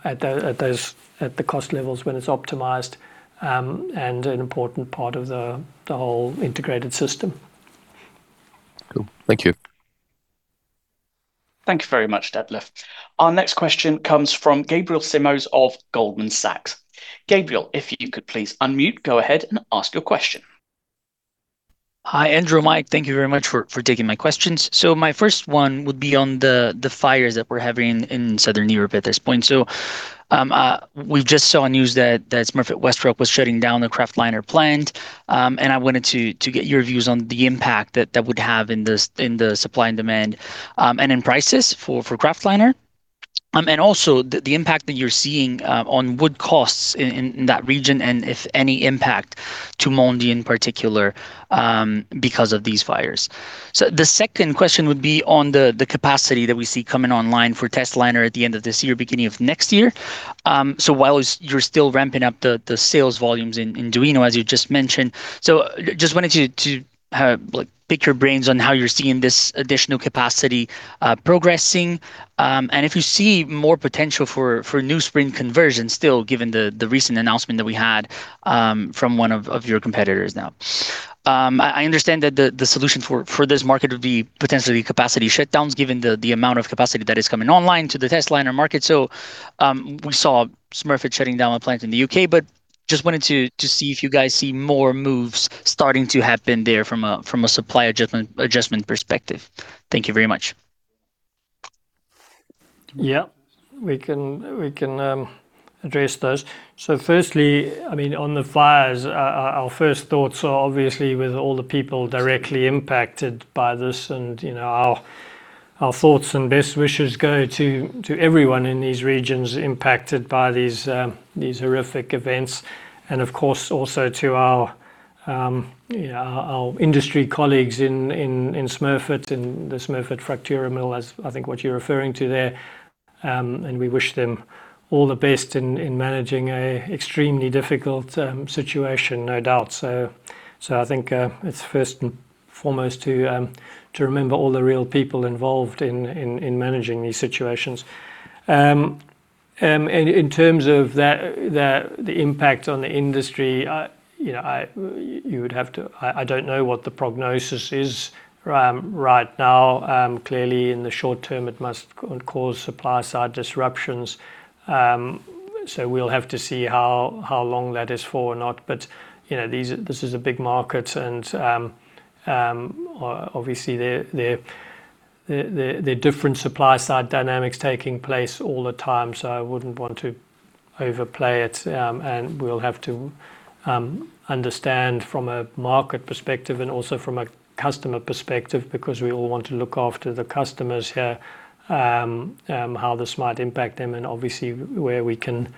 at the cost levels when it's optimized, and an important part of the whole integrated system. Cool. Thank you. Thank you very much, Detlef. Our next question comes from Gabriel Simões of Goldman Sachs. Gabriel, if you could please unmute, go ahead and ask your question. Hi, Andrew and Mike. Thank you very much for taking my questions. My first one would be on the fires that we're having in Southern Europe at this point. We just saw news that Smurfit WestRock was shutting down the kraftliner plant, and I wanted to get your views on the impact that would have in the supply and demand, and in prices for kraftliner. Also the impact that you're seeing on wood costs in that region, and if any impact to Mondi in particular, because of these fires. The second question would be on the capacity that we see coming online for testliner at the end of this year, beginning of next year. While you're still ramping up the sales volumes in Duino, as you just mentioned. Just wanted to pick your brains on how you're seeing this additional capacity progressing. If you see more potential for newsprint conversion still, given the recent announcement that we had from one of your competitors now. I understand that the solution for this market would potentially be capacity shutdowns, given the amount of capacity that is coming online to the testliner market. We saw Smurfit shutting down a plant in the U.K., just wanted to see if you guys see more moves starting to happen there from a supply adjustment perspective. Thank you very much. We can address those. Firstly, on the fires, our first thoughts are obviously with all the people directly impacted by this, and our thoughts and best wishes go to everyone in these regions impacted by these horrific events. Of course, also to our industry colleagues in Smurfit, in the Smurfit Facture Mill, as I think what you're referring to there. We wish them all the best in managing a extremely difficult situation, no doubt. I think it's first and foremost to remember all the real people involved in managing these situations. In terms of the impact on the industry, I don't know what the prognosis is right now. Clearly, in the short term, it must cause supply side disruptions. We'll have to see how long that is for or not. This is a big market, obviously there are different supply side dynamics taking place all the time, I wouldn't want to overplay it. We'll have to understand from a market perspective and also from a customer perspective, because we all want to look after the customers here, how this might impact them, obviously where we can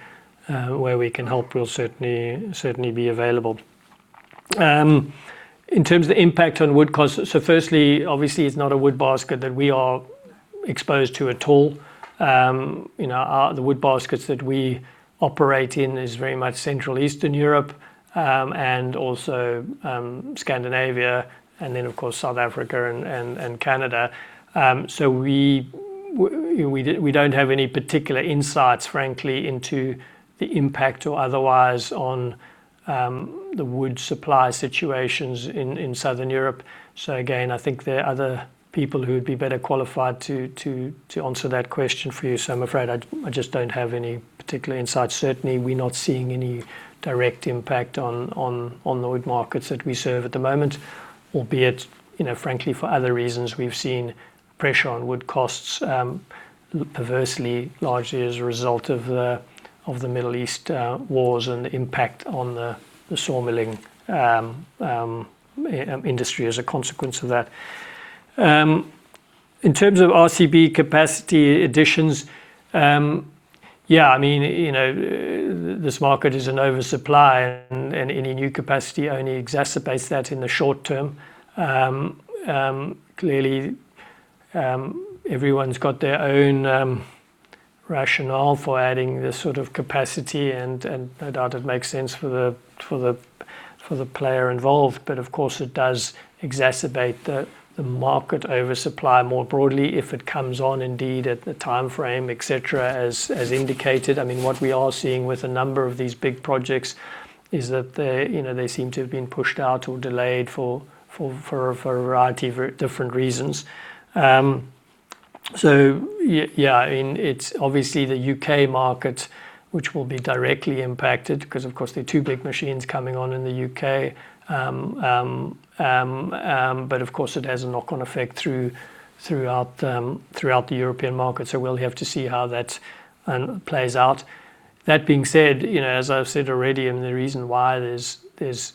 help, we'll certainly be available. In terms of the impact on wood costs, firstly, obviously, it's not a wood basket that we are exposed to at all. The wood baskets that we operate in is very much Central Eastern Europe, also Scandinavia, then, of course, South Africa and Canada. We don't have any particular insights, frankly, into the impact or otherwise on the wood supply situations in Southern Europe. Again, I think there are other people who would be better qualified to answer that question for you. I'm afraid I just don't have any particular insights. Certainly, we're not seeing any direct impact on the wood markets that we serve at the moment. Albeit, frankly, for other reasons, we've seen pressure on wood costs, perversely, largely as a result of the Middle East wars and the impact on the sawmilling industry as a consequence of that. In terms of RCB capacity additions, yeah, this market is an oversupply, any new capacity only exacerbates that in the short term. Clearly, everyone's got their own rationale for adding this sort of capacity, no doubt it makes sense for the player involved. Of course, it does exacerbate the market oversupply more broadly if it comes on indeed at the timeframe, et cetera, as indicated. What we are seeing with a number of these big projects is that they seem to have been pushed out or delayed for a variety of different reasons. Yeah, it's obviously the U.K. market which will be directly impacted because of course there are two big machines coming on in the U.K. Of course, it has a knock-on effect throughout the European market, we'll have to see how that plays out. That being said, as I've said already, the reason why there's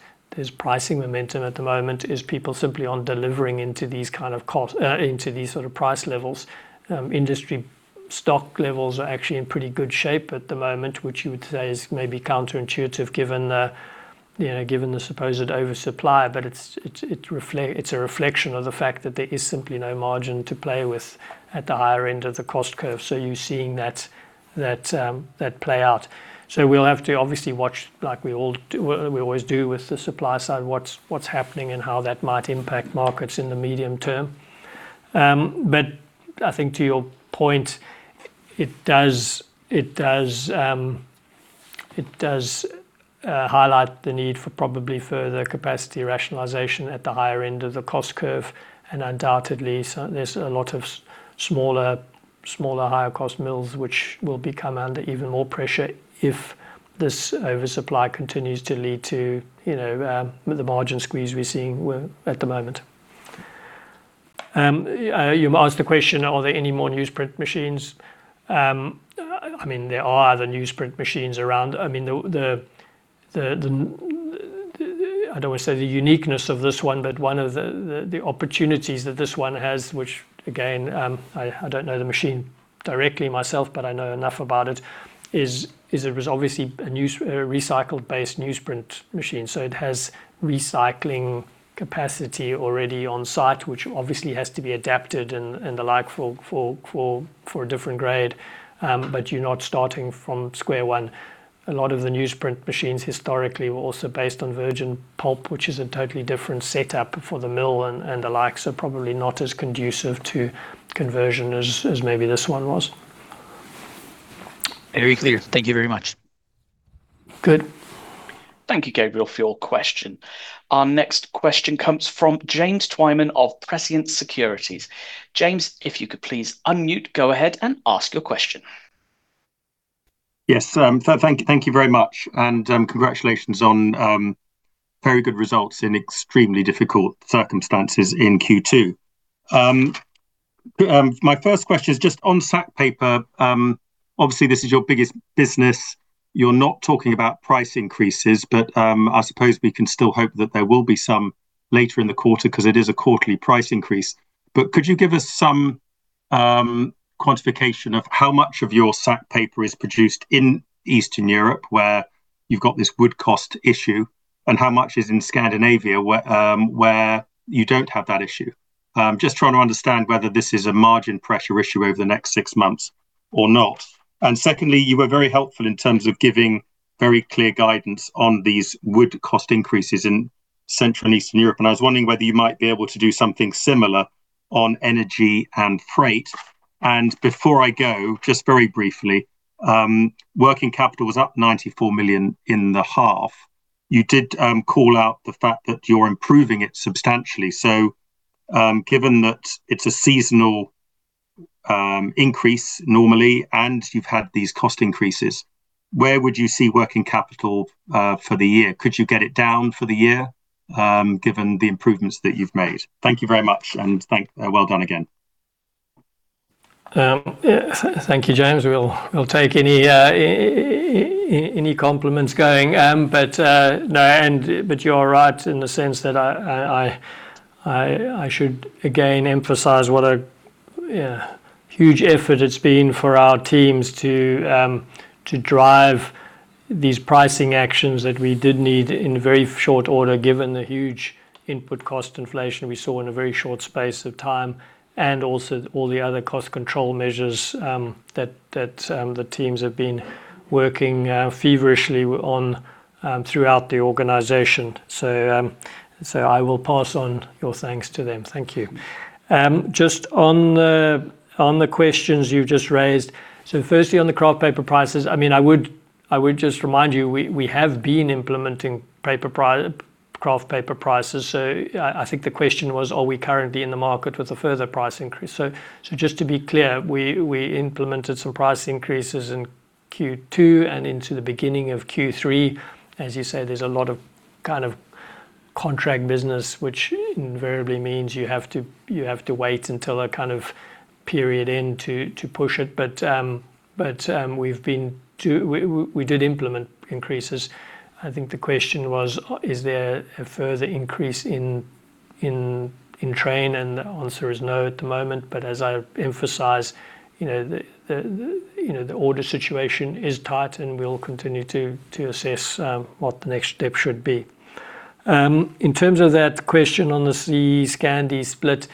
pricing momentum at the moment is people simply aren't delivering into these sort of price levels. Industry stock levels are actually in pretty good shape at the moment, which you would say is maybe counterintuitive given the supposed oversupply. It's a reflection of the fact that there is simply no margin to play with at the higher end of the cost curve. You're seeing that play out. We'll have to obviously watch, like we always do with the supply side, what's happening and how that might impact markets in the medium term. I think to your point, it does highlight the need for probably further capacity rationalization at the higher end of the cost curve. Undoubtedly, there's a lot of smaller, higher cost mills which will come under even more pressure if this oversupply continues to lead to the margin squeeze we're seeing at the moment. You asked the question, are there any more newsprint machines? There are other newsprint machines around. I don't want to say the uniqueness of this one, but one of the opportunities that this one has, which again, I don't know the machine directly myself, but I know enough about it, is it was obviously a recycled-based newsprint machine. It has recycling capacity already on site, which obviously has to be adapted and the like for a different grade, but you are not starting from square one. A lot of the newsprint machines historically were also based on virgin pulp, which is a totally different setup for the mill and the like, probably not as conducive to conversion as maybe this one was. Very clear. Thank you very much. Good. Thank you, Gabriel, for your question. Our next question comes from James Twyman of Prescient Securities. James, if you could please unmute, go ahead and ask your question. Yes. Thank you very much. Congratulations on very good results in extremely difficult circumstances in Q2. My first question is just on sack paper. Obviously, this is your biggest business. You are not talking about price increases, but I suppose we can still hope that there will be some later in the quarter because it is a quarterly price increase. Could you give us some quantification of how much of your sack paper is produced in Eastern Europe, where you have got this wood cost issue, and how much is in Scandinavia, where you do not have that issue? Just trying to understand whether this is a margin pressure issue over the next six months or not. Secondly, you were very helpful in terms of giving very clear guidance on these wood cost increases in Central and Eastern Europe, and I was wondering whether you might be able to do something similar on energy and freight. Before I go, just very briefly, working capital was up 94 million in the half. You did call out the fact that you're improving it substantially. Given that it's a seasonal increase normally, and you've had these cost increases, where would you see working capital for the year? Could you get it down for the year, given the improvements that you've made? Thank you very much, and well done again. Thank you, James. We'll take any compliments going. You're right in the sense that I should, again, emphasize what a huge effort it's been for our teams to drive these pricing actions that we did need in very short order, given the huge input cost inflation we saw in a very short space of time, and also all the other cost control measures that the teams have been working feverishly on throughout the organization. I will pass on your thanks to them. Thank you. Just on the questions you've just raised, firstly, on the kraft paper prices, I would just remind you, we have been implementing kraft paper prices. I think the question was, are we currently in the market with a further price increase? Just to be clear, we implemented some price increases in Q2 and into the beginning of Q3. As you say, there's a lot of contract business, which invariably means you have to wait until a period end to push it. We did implement increases. I think the question was, is there a further increase in train, and the answer is no at the moment. As I emphasize, the order situation is tight, and we'll continue to assess what the next step should be. In terms of that question on the CE Scandi split,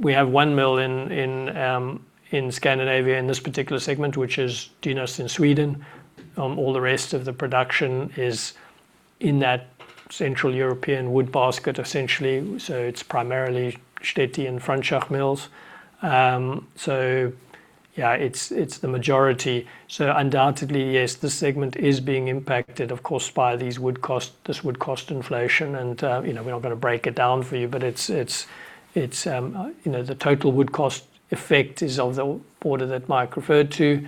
we have one mill in Scandinavia in this particular segment, which is Dynäs in Sweden. All the rest of the production is in that Central European wood basket, essentially. It's primarily Štětí and Frantschach mills. Yeah, it's the majority. Undoubtedly, yes, this segment is being impacted, of course, by this wood cost inflation. We're not going to break it down for you, but the total wood cost effect is of the order that Mike referred to.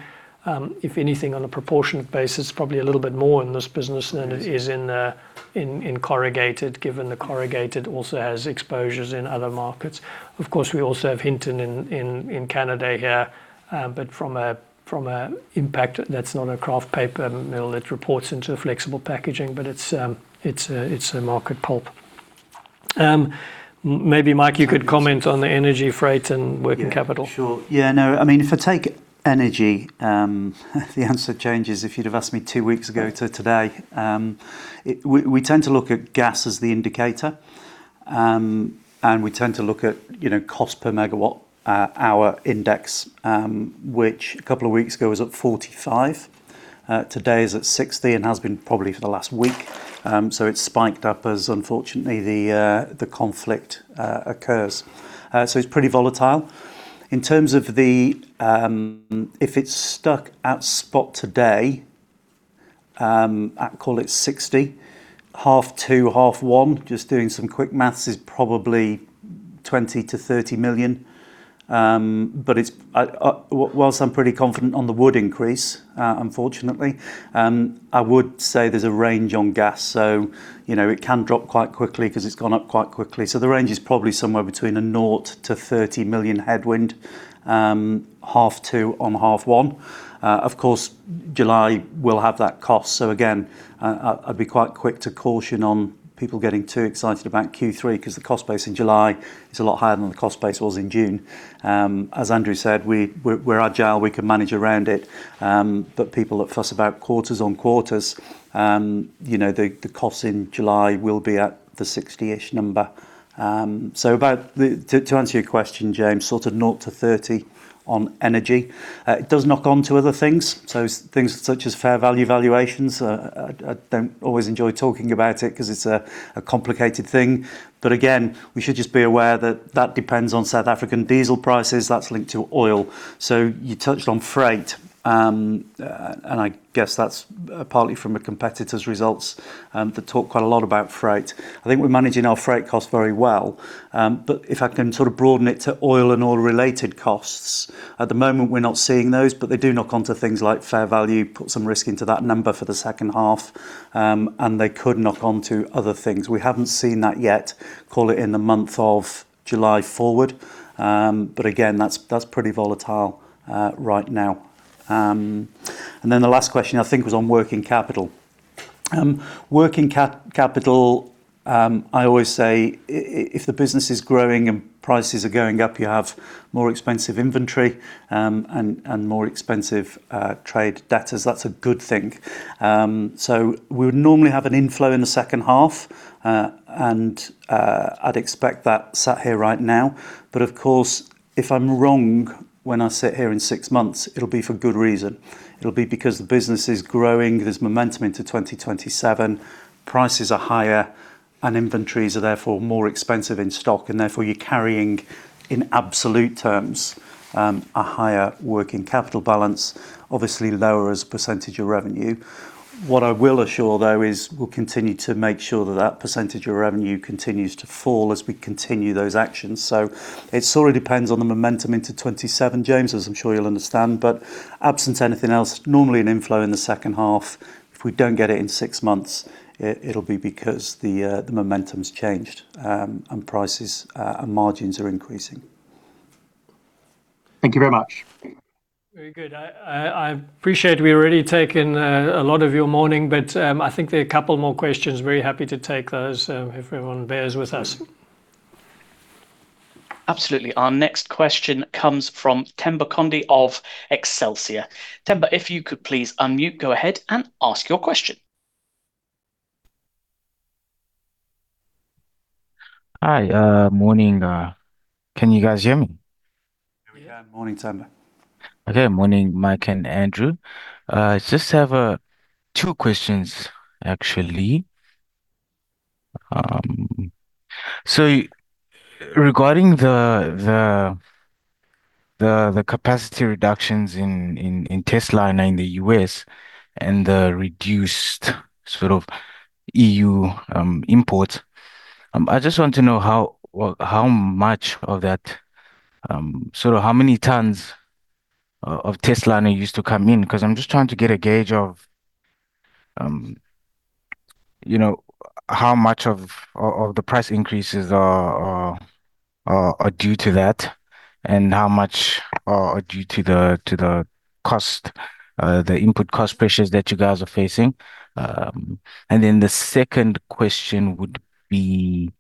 If anything, on a proportionate basis, probably a little bit more in this business than it is in Corrugated, given that Corrugated also has exposures in other markets. Of course, we also have Hinton in Canada here. From an impact, that's not a kraft paper mill. It reports into Flexible Packaging, but it's a market pulp. Maybe, Mike, you could comment on the energy freight and working capital. Sure. If I take energy, the answer changes if you'd have asked me two weeks ago to today. We tend to look at gas as the indicator, and we tend to look at cost per megawatt hour index, which a couple of weeks ago was up 45. Today it's at 60 and has been probably for the last week. It's spiked up as, unfortunately, the conflict occurs. It's pretty volatile. If it's stuck at spot today, I'd call it 60. Half two, half one, just doing some quick maths, is probably 20 million-30 million. But whilst I'm pretty confident on the wood increase, unfortunately, I would say there's a range on gas. It can drop quite quickly because it's gone up quite quickly. The range is probably somewhere between the north to 30 million headwind, half two on half one. July will have that cost. Again, I'd be quite quick to caution on people getting too excited about Q3 because the cost base in July is a lot higher than the cost base was in June. As Andrew said, we're agile, we can manage around it. People that fuss about quarters on quarters, the costs in July will be at the 60-ish number. To answer your question, James, sort of north to 30 on energy. It does knock on to other things, so things such as fair value valuations. I don't always enjoy talking about it because it's a complicated thing. Again, we should just be aware that that depends on South African diesel prices. That's linked to oil. You touched on freight. I guess that's partly from a competitor's results that talk quite a lot about freight. I think we're managing our freight costs very well. If I can sort of broaden it to oil and oil related costs, at the moment, we're not seeing those, but they do knock onto things like fair value, put some risk into that number for the second half, and they could knock onto other things. We haven't seen that yet, call it in the month of July forward. Again, that's pretty volatile right now. The last question, I think, was on working capital. Working capital, I always say if the business is growing and prices are going up, you have more expensive inventory and more expensive trade debtors. That's a good thing. We would normally have an inflow in the second half, and I'd expect that sat here right now. Of course, if I'm wrong when I sit here in six months, it'll be for good reason. It'll be because the business is growing, there's momentum into 2027, prices are higher, and inventories are therefore more expensive in stock, and therefore you're carrying, in absolute terms, a higher working capital balance, obviously lower as a percentage of revenue. What I will assure, though, is we'll continue to make sure that that percentage of revenue continues to fall as we continue those actions. It sort of depends on the momentum into 2027, James, as I'm sure you'll understand. Absent anything else, normally an inflow in the second half. If we don't get it in six months, it'll be because the momentum's changed, and prices and margins are increasing. Thank you very much. Very good. I appreciate we've already taken a lot of your morning, I think there are a couple more questions. Very happy to take those if everyone bears with us. Absolutely. Our next question comes from [Themba Konde] of [Excelsior].Themba, if you could please unmute, go ahead and ask your question. Hi. Morning. Can you guys hear me? We can. Morning, Themba. Okay. Morning, Mike and Andrew. I just have two questions, actually. Regarding the capacity reductions in testliner in the U.S. and the reduced sort of EU import, I just want to know how many tons of testliner used to come in? Because I'm just trying to get a gauge of how much of the price increases are due to that and how much are due to the input cost pressures that you guys are facing. The second question would be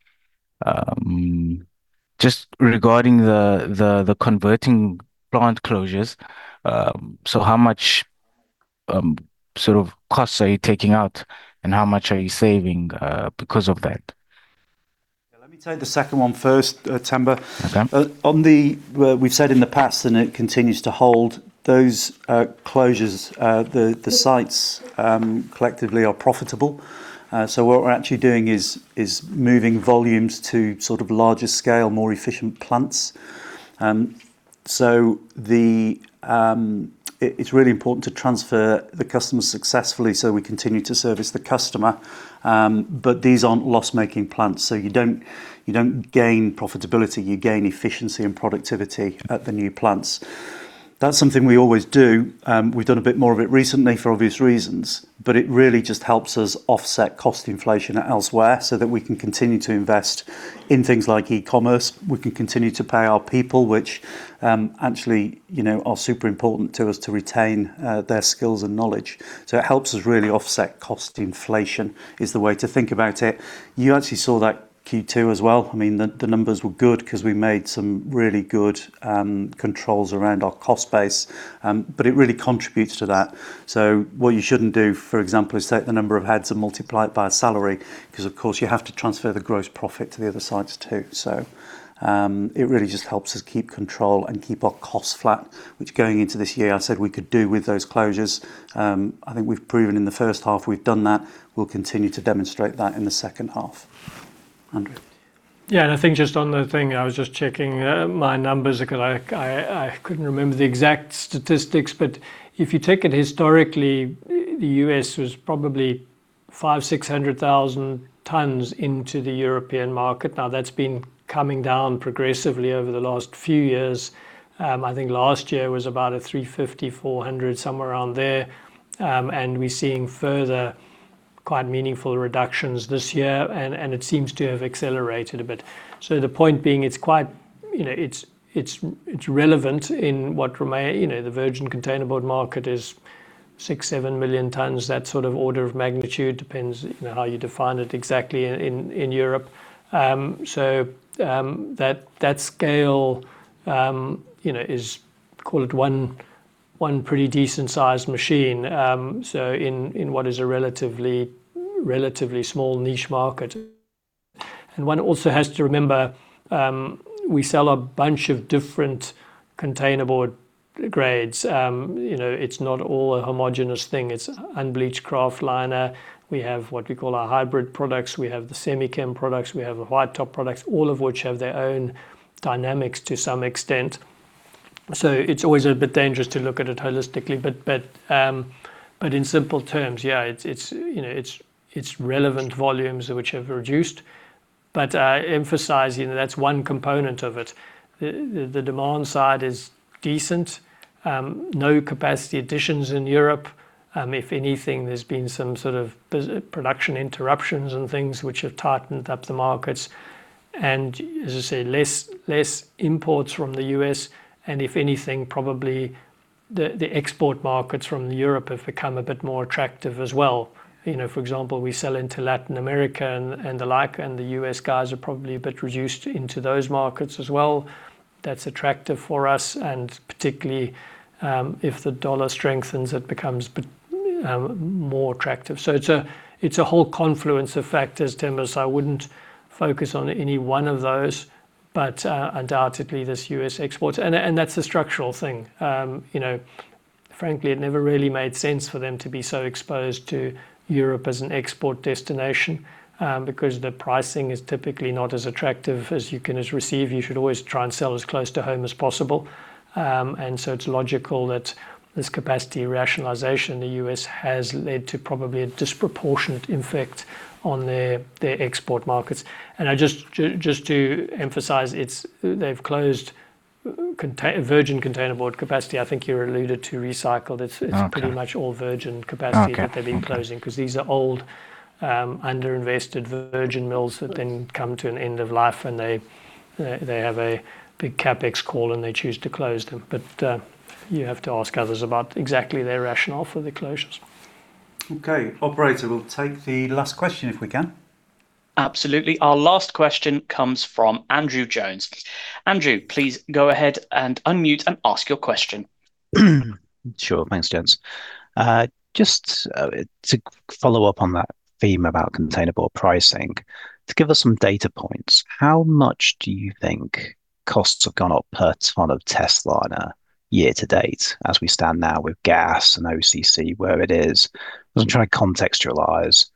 just regarding the converting plant closures. How much sort of costs are you taking out, and how much are you saving because of that? Let me take the second one first, Themba. Okay. We've said in the past, it continues to hold, those closures, the sites collectively are profitable. What we're actually doing is moving volumes to sort of larger scale, more efficient plants. It's really important to transfer the customers successfully so we continue to service the customer. These aren't loss-making plants, so you don't gain profitability. You gain efficiency and productivity at the new plants. That's something we always do. We've done a bit more of it recently for obvious reasons. It really just helps us offset cost inflation elsewhere so that we can continue to invest in things like e-commerce. We can continue to pay our people, which actually are super important to us to retain their skills and knowledge. It helps us really offset cost inflation, is the way to think about it. You actually saw that Q2 as well. I mean, the numbers were good because we made some really good controls around our cost base, it really contributes to that. What you shouldn't do, for example, is take the number of heads and multiply it by a salary, because of course, you have to transfer the gross profit to the other sites, too. It really just helps us keep control and keep our costs flat, which going into this year, I said we could do with those closures. I think we've proven in the first half we've done that. We'll continue to demonstrate that in the second half. Andrew. Yeah, I think just on the thing, I was just checking my numbers because I couldn't remember the exact statistics, if you take it historically, the U.S. was probably 500,000, 600,000 tons into the European market. Now, that's been coming down progressively over the last few years. I think last year was about 350,000, 400,000, somewhere around there, we're seeing further quite meaningful reductions this year, it seems to have accelerated a bit. The point being, it's relevant in what remain. The virgin containerboard market is 6 million, 7 million tons, that sort of order of magnitude. Depends how you define it exactly in Europe. That scale is, call it, one pretty decent-sized machine, in what is a relatively small niche market. One also has to remember, we sell a bunch of different containerboard grades. It's not all a homogenous thing. It's unbleached kraft liner. We have what we call our hybrid packaging. We have the semi-chemical products. We have the white top products. All of which have their own dynamics to some extent. It's always a bit dangerous to look at it holistically. In simple terms, yeah, it's relevant volumes which have reduced. I emphasize, that's one component of it. The demand side is decent. No capacity additions in Europe. If anything, there's been some sort of production interruptions and things which have tightened up the markets. As I say, less imports from the U.S., if anything, probably the export markets from Europe have become a bit more attractive as well. For example, we sell into Latin America and the like, the U.S. guys are probably a bit reduced into those markets as well. That's attractive for us, particularly, if the dollar strengthens, it becomes more attractive. It's a whole confluence of factors, [Tim, I wouldn't focus on any one of those, undoubtedly, there's U.S. exports. That's a structural thing. Frankly, it never really made sense for them to be so exposed to Europe as an export destination, because the pricing is typically not as attractive as you can receive. You should always try and sell as close to home as possible. It's logical that this capacity rationalization in the U.S. has led to probably a disproportionate effect on their export markets. Just to emphasize, they've closed virgin containerboard capacity. I think you alluded to recycled. Okay. It's pretty much all virgin capacity. Okay. that they've been closing, because these are old, under-invested virgin mills that then come to an end of life and they have a big CapEx call and they choose to close them. You have to ask others about exactly their rationale for the closures. Okay. Operator, we'll take the last question if we can. Absolutely. Our last question comes from Andrew Jones. Andrew, please go ahead and unmute and ask your question. Sure. Thanks, gents. Just to follow up on that theme about containerboard pricing, to give us some data points, how much do you think costs have gone up per ton of testliner year to date as we stand now with gas and OCC where it is? I'm trying to contextualize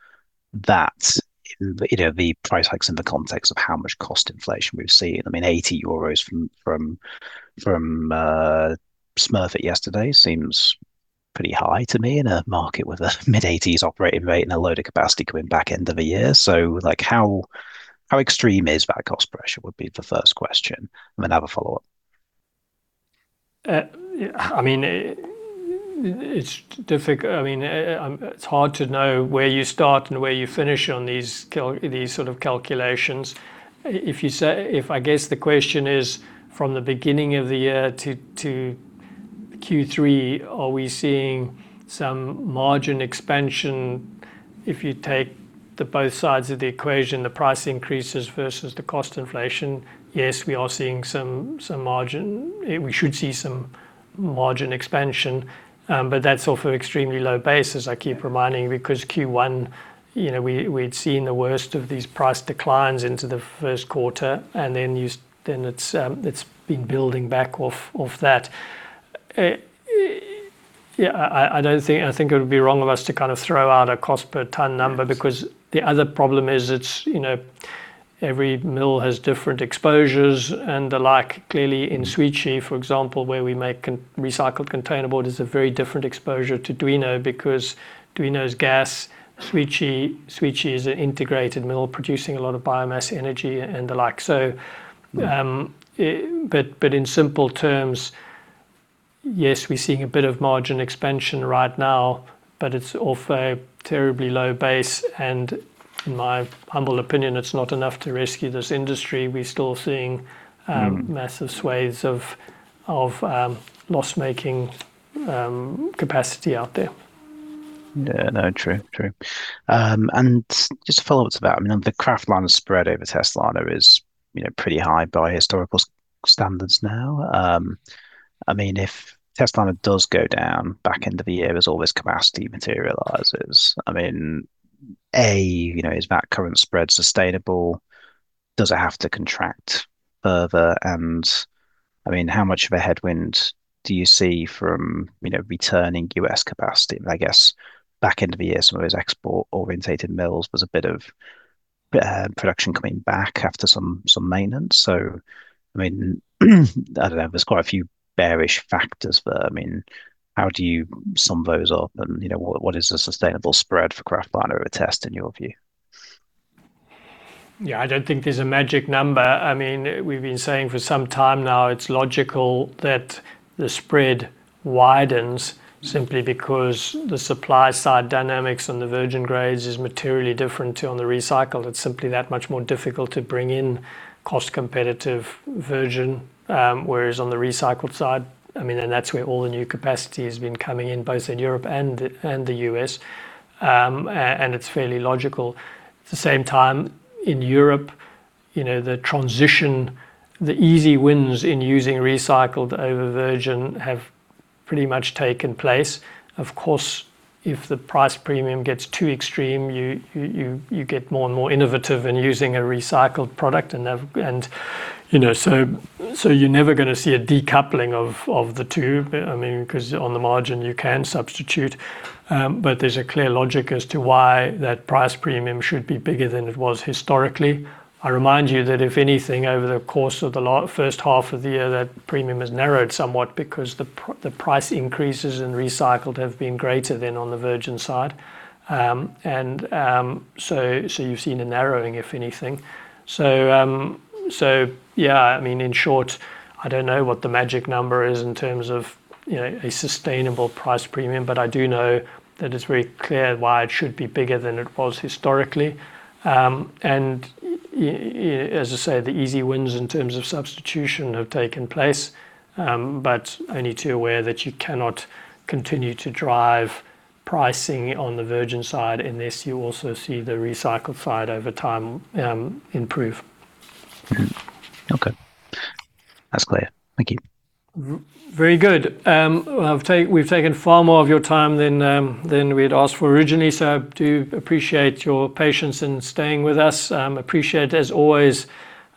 that, the price hikes in the context of how much cost inflation we've seen. I mean, 80 euros from Smurfit yesterday seems pretty high to me in a market with a mid-80s operating rate and a load of capacity coming back end of the year. How extreme is that cost pressure would be the first question. I have a follow-up. It's hard to know where you start and where you finish on these sort of calculations. If I guess the question is from the beginning of the year to Q3, are we seeing some margin expansion? If you take the both sides of the equation, the price increases versus the cost inflation, yes, we are seeing some margin. We should see some margin expansion, but that's off an extremely low base, as I keep reminding, because Q1, we'd seen the worst of these price declines into the first quarter, and then it's been building back off that. I think it would be wrong of us to kind of throw out a cost per ton number. Yes. The other problem is every mill has different exposures and the like. Clearly in Świecie, for example, where we make recycled containerboard, is a very different exposure to Duino because Duino is gas, Świecie is an integrated mill producing a lot of biomass energy and the like. In simple terms, yes, we're seeing a bit of margin expansion right now, but it's off a terribly low base, and in my humble opinion, it's not enough to rescue this industry. We're still seeing. Massive swathes of loss-making capacity out there. Yeah. No, true. Just a follow-up to that, the kraftliner spread over testliner is pretty high by historical standards now. If testliner does go down back end of the year as all this capacity materializes, A, is that current spread sustainable? Does it have to contract further? And how much of a headwind do you see from returning U.S. capacity? I guess back end of the year, some of those export-orientated mills, there's a bit of production coming back after some maintenance. I don't know. There's quite a few bearish factors there. How do you sum those up and what is a sustainable spread for kraftliner over test in your view? Yeah. I don't think there's a magic number. We've been saying for some time now it's logical that the spread widens simply because the supply side dynamics on the virgin grades is materially different to on the recycled. It's simply that much more difficult to bring in cost competitive virgin, whereas on the recycled side, and that's where all the new capacity has been coming in, both in Europe and the U.S., and it's fairly logical. At the same time, in Europe, the transition, the easy wins in using recycled over virgin have pretty much taken place. Of course, if the price premium gets too extreme, you get more and more innovative in using a recycled product. You're never going to see a decoupling of the two, because on the margin you can substitute, but there's a clear logic as to why that price premium should be bigger than it was historically. I remind you that if anything, over the course of the first half of the year, that premium has narrowed somewhat because the price increases in recycled have been greater than on the virgin side. You've seen a narrowing, if anything. Yeah, in short I don't know what the magic number is in terms of a sustainable price premium, but I do know that it's very clear why it should be bigger than it was historically. As I say, the easy wins in terms of substitution have taken place. Only too aware that you cannot continue to drive pricing on the virgin side unless you also see the recycled side over time improve. Okay. That's clear. Thank you. Very good. We've taken far more of your time than we had asked for originally, so I do appreciate your patience in staying with us. Appreciate, as always,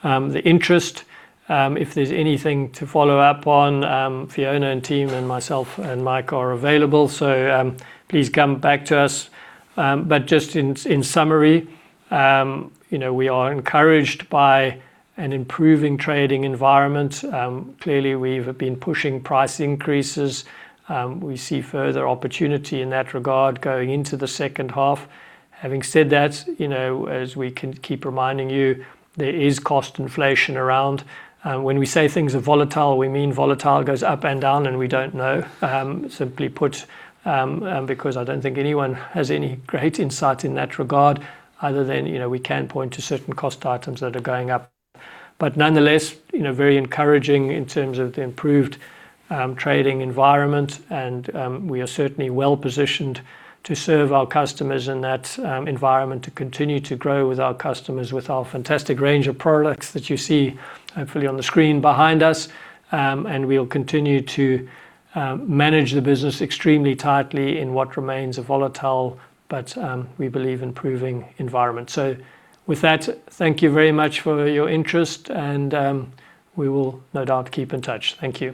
the interest. If there's anything to follow up on, Fiona and team and myself and Mike are available, so please come back to us. Just in summary, we are encouraged by an improving trading environment. Clearly, we've been pushing price increases. We see further opportunity in that regard going into the second half. Having said that, as we keep reminding you, there is cost inflation around. When we say things are volatile, we mean volatile, goes up and down and we don't know, simply put, because I don't think anyone has any great insight in that regard other than we can point to certain cost items that are going up. Nonetheless, very encouraging in terms of the improved trading environment, and we are certainly well-positioned to serve our customers in that environment, to continue to grow with our customers, with our fantastic range of products that you see hopefully on the screen behind us. We'll continue to manage the business extremely tightly in what remains a volatile, but we believe improving environment. With that, thank you very much for your interest, and we will no doubt keep in touch. Thank you